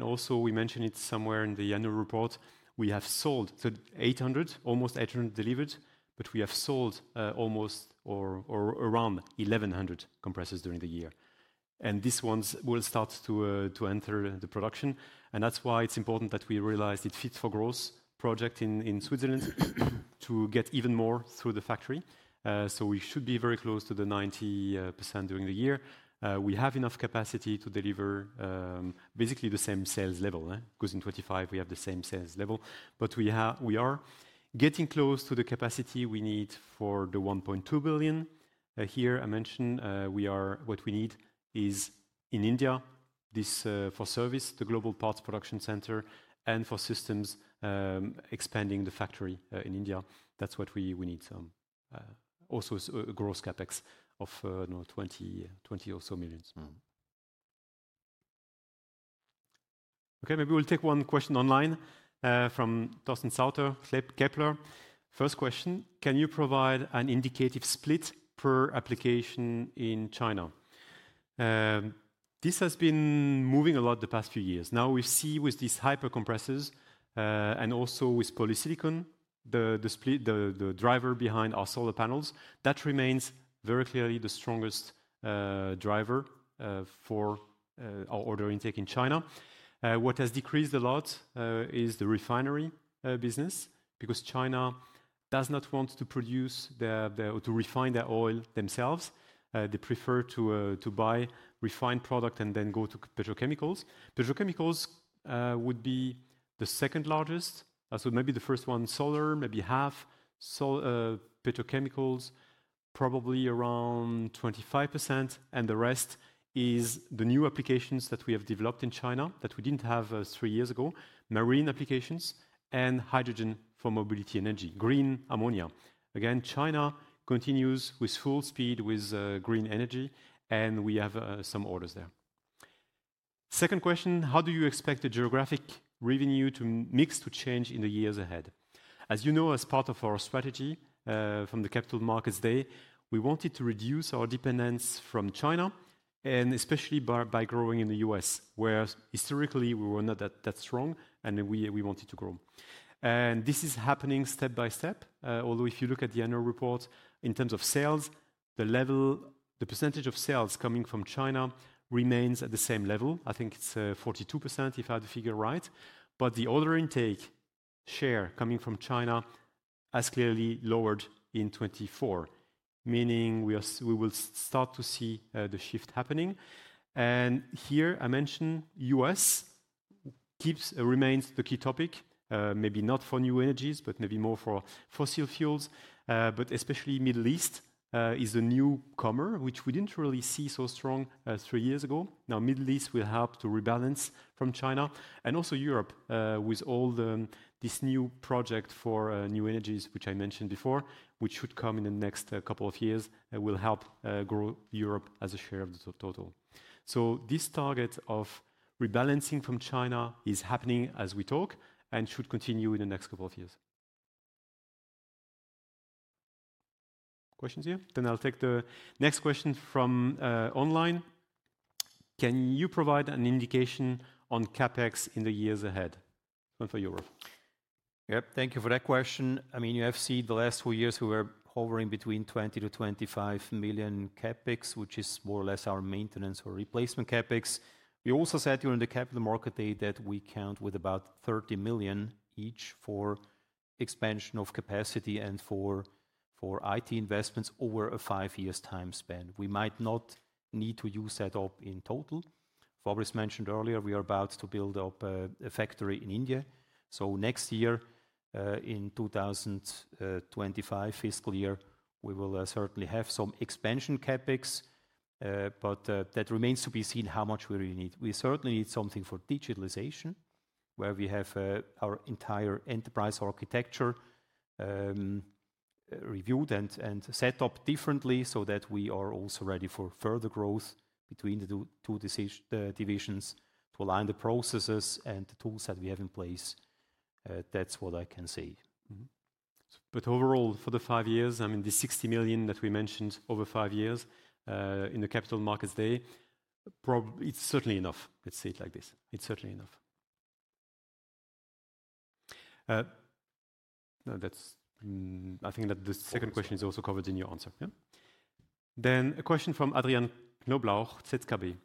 Also, we mentioned it somewhere in the annual report, we have sold 800, almost 800 delivered, but we have sold almost or around 1,100 compressors during the year. These ones will start to enter the production. That's why it's important that we realize Fit for Growth projects in Switzerland to get even more through the factory. We should be very close to the 90% during the year. We have enough capacity to deliver basically the same sales level because in 2025, we have the same sales level. We are getting close to the capacity we need for the 1.2 billion. Here, I mentioned what we need is in India, this for service, the global parts production center, and for systems expanding the factory in India. That is what we need. Also, a gross CapEx of 20 million or so. Okay, maybe we will take one question online from Thorsten Sauter, Kappler. First question, can you provide an indicative split per application in China? This has been moving a lot the past few years. Now we see with these hypercompressors and also with polysilicon, the driver behind our solar panels, that remains very clearly the strongest driver for our order intake in China. What has decreased a lot is the refinery business because China does not want to produce or to refine their oil themselves. They prefer to buy refined products and then go to petrochemicals. Petrochemicals would be the second largest. Maybe the first one is solar, maybe half petrochemicals, probably around 25%. The rest is the new applications that we have developed in China that we did not have three years ago, marine applications and hydrogen for mobility energy, green ammonia. Again, China continues with full speed with green energy and we have some orders there. Second question, how do you expect the geographic revenue mix to change in the years ahead? As you know, as part of our strategy from the Capital Markets Day, we wanted to reduce our dependence from China and especially by growing in the U.S., where historically we were not that strong and we wanted to grow. This is happening step by step. Although if you look at the annual report in terms of sales, the level, the percentage of sales coming from China remains at the same level. I think it's 42% if I had the figure right. The order intake share coming from China has clearly lowered in 2024, meaning we will start to see the shift happening. Here I mentioned U.S. keeps remains the key topic, maybe not for new energies, but maybe more for fossil fuels. Especially Middle East is a newcomer, which we did not really see so strong three years ago. Now Middle East will help to rebalance from China and also Europe with all this new project for new energies, which I mentioned before, which should come in the next couple of years and will help grow Europe as a share of the total. This target of rebalancing from China is happening as we talk and should continue in the next couple of years. Questions here? I'll take the next question from online. Can you provide an indication on CapEx in the years ahead? One for Europe. Yep, thank you for that question. I mean, you have seen the last four years we were hovering between 20 million-25 million CapEx, which is more or less our maintenance or replacement CapEx. We also said during the Capital Market Day that we count with about 30 million each for expansion of capacity and for IT investments over a five-year time span. We might not need to use that up in total. Fabrice mentioned earlier, we are about to build up a factory in India. Next year in the 2025 fiscal year, we will certainly have some expansion CapEx, but that remains to be seen how much we really need. We certainly need something for digitalization where we have our entire enterprise architecture reviewed and set up differently so that we are also ready for further growth between the two divisions to align the processes and the tools that we have in place. That is what I can say. Overall, for the five years, I mean, the 60 million that we mentioned over five years in the Capital Market Day, it is certainly enough. Let's say it like this. It's certainly enough. I think that the second question is also covered in your answer. A question from Adrian Knoblauch, Tetkabe.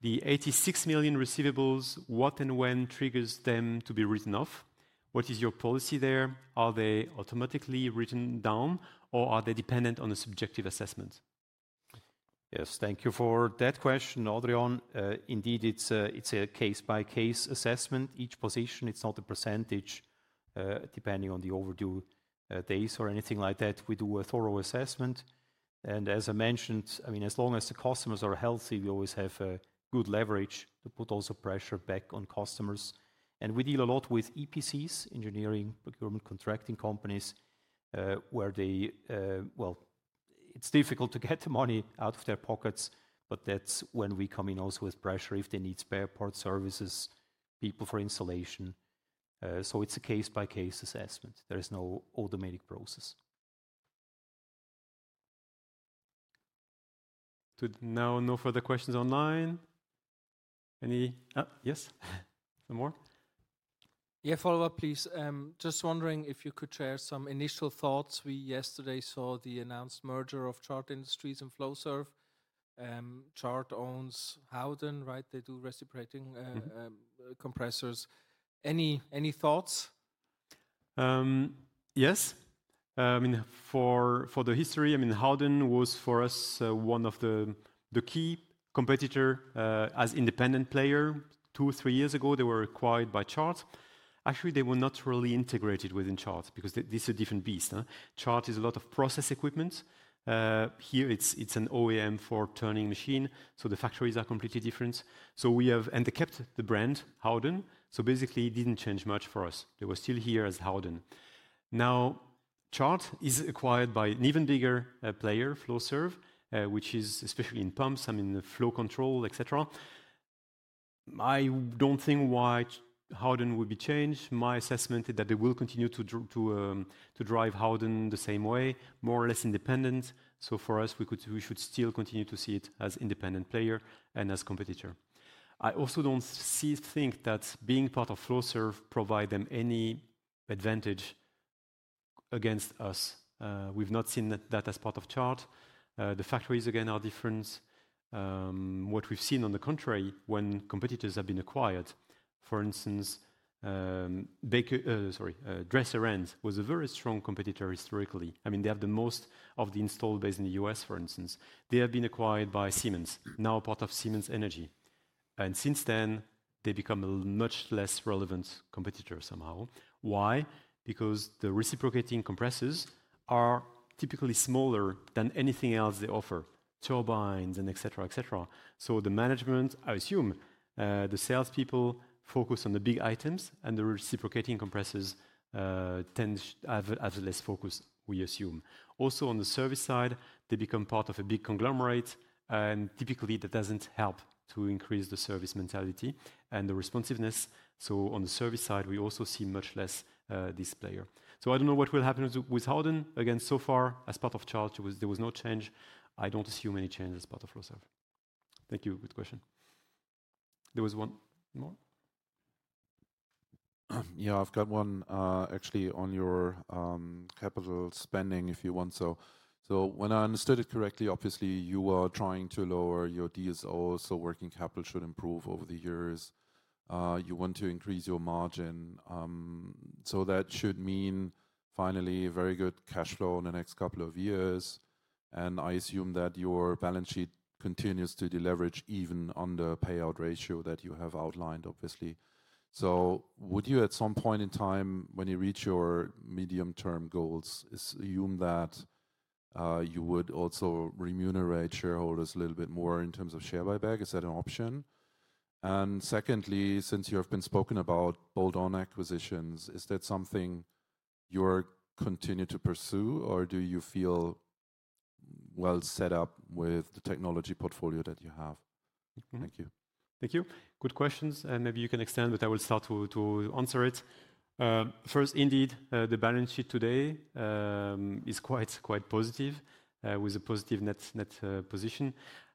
The 86 million receivables, what and when triggers them to be written off? What is your policy there? Are they automatically written down or are they dependent on a subjective assessment? Yes, thank you for that question, Adrian. Indeed, it's a case-by-case assessment. Each position, it's not a % depending on the overdue days or anything like that. We do a thorough assessment. As I mentioned, I mean, as long as the customers are healthy, we always have a good leverage to put also pressure back on customers. We deal a lot with EPCs, engineering, procurement, contracting companies, where they, well, it's difficult to get the money out of their pockets, but that's when we come in also with pressure if they need spare part services, people for installation. It is a case-by-case assessment. There is no automatic process. Now, no further questions online. Any? Yes, some more? Yeah, follow up, please. Just wondering if you could share some initial thoughts. We yesterday saw the announced merger of Chart Industries and Flowserve. Chart owns Howden, right? They do reciprocating compressors. Any thoughts? Yes. I mean, for the history, I mean, Howden was for us one of the key competitors as an independent player. Two, three years ago, they were acquired by Chart. Actually, they were not really integrated within Chart because this is a different beast. Chart is a lot of process equipment. Here, it's an OEM for turning machine. The factories are completely different. We have kept the brand Howden. Basically, it did not change much for us. They were still here as Howden. Now, Chart is acquired by an even bigger player, Flowserve, which is especially in pumps, I mean, flow control, etc. I do not think why Howden would be changed. My assessment is that they will continue to drive Howden the same way, more or less independent. For us, we should still continue to see it as an independent player and as a competitor. I also do not think that being part of Flowserve provides them any advantage against us. We have not seen that as part of Chart. The factories, again, are different. What we have seen, on the contrary, when competitors have been acquired, for instance, Dresser-Rand was a very strong competitor historically. I mean, they have most of the installed base in the U.S., for instance. They have been acquired by Siemens, now part of Siemens Energy. Since then, they become a much less relevant competitor somehow. Why? Because the reciprocating compressors are typically smaller than anything else they offer, turbines and etc., etc. The management, I assume, the salespeople focus on the big items and the reciprocating compressors tend to have less focus, we assume. Also, on the service side, they become part of a big conglomerate and typically that does not help to increase the service mentality and the responsiveness. On the service side, we also see much less this player. I do not know what will happen with Howden. Again, so far as part of Chart, there was no change. I do not assume any change as part of Flowserve. Thank you. Good question. There was one more. Yeah, I've got one actually on your capital spending if you want. So when I understood it correctly, obviously you were trying to lower your DSO, so working capital should improve over the years. You want to increase your margin. That should mean finally a very good cash flow in the next couple of years. I assume that your balance sheet continues to deleverage even under the payout ratio that you have outlined, obviously. Would you at some point in time when you reach your medium-term goals, assume that you would also remunerate shareholders a little bit more in terms of share buyback? Is that an option? Secondly, since you have been spoken about bolt-on acquisitions, is that something you're continuing to pursue or do you feel well set up with the technology portfolio that you have? Thank you. Thank you. Good questions. Maybe you can extend, but I will start to answer it. First, indeed, the balance sheet today is quite positive with a positive net position.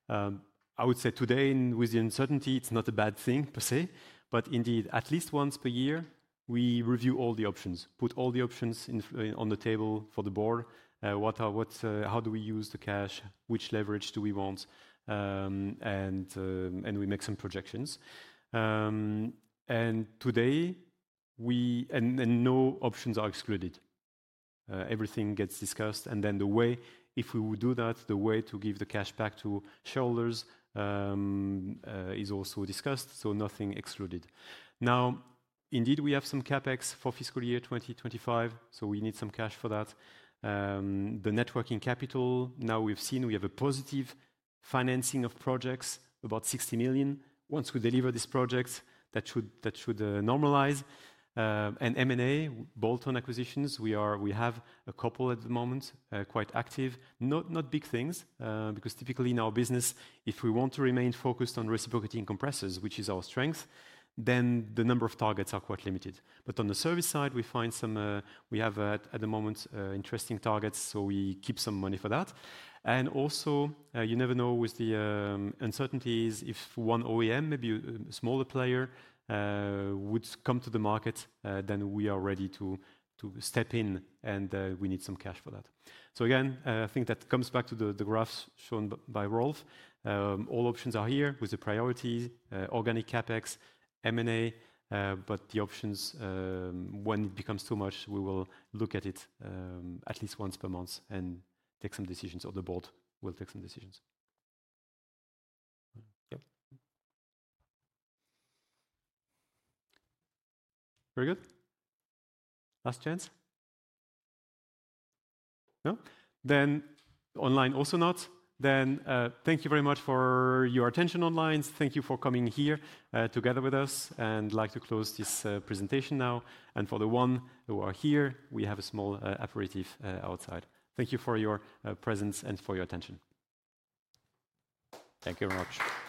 I would say today with the uncertainty, it's not a bad thing per se, but indeed, at least once per year, we review all the options, put all the options on the table for the board. How do we use the cash? Which leverage do we want? We make some projections. Today, no options are excluded. Everything gets discussed. The way, if we would do that, the way to give the cash back to shareholders is also discussed. Nothing excluded. Now, indeed, we have some CapEx for fiscal year 2025, so we need some cash for that. The net working capital, now we've seen we have a positive financing of projects, about 60 million. Once we deliver these projects, that should normalize. M&A, bolt-on acquisitions, we have a couple at the moment, quite active. Not big things because typically in our business, if we want to remain focused on reciprocating compressors, which is our strength, then the number of targets are quite limited. On the service side, we find some we have at the moment interesting targets, so we keep some money for that. You never know with the uncertainties, if one OEM, maybe a smaller player, would come to the market, we are ready to step in and we need some cash for that. I think that comes back to the graphs shown by Rolf. All options are here with the priority, organic CapEx, M&A, but the options, when it becomes too much, we will look at it at least once per month and take some decisions or the board will take some decisions. Yep. Very good. Last chance. No? Online also not. Thank you very much for your attention online. Thank you for coming here together with us and I would like to close this presentation now. For the ones who are here, we have a small aperitif outside. Thank you for your presence and for your attention. Thank you very much.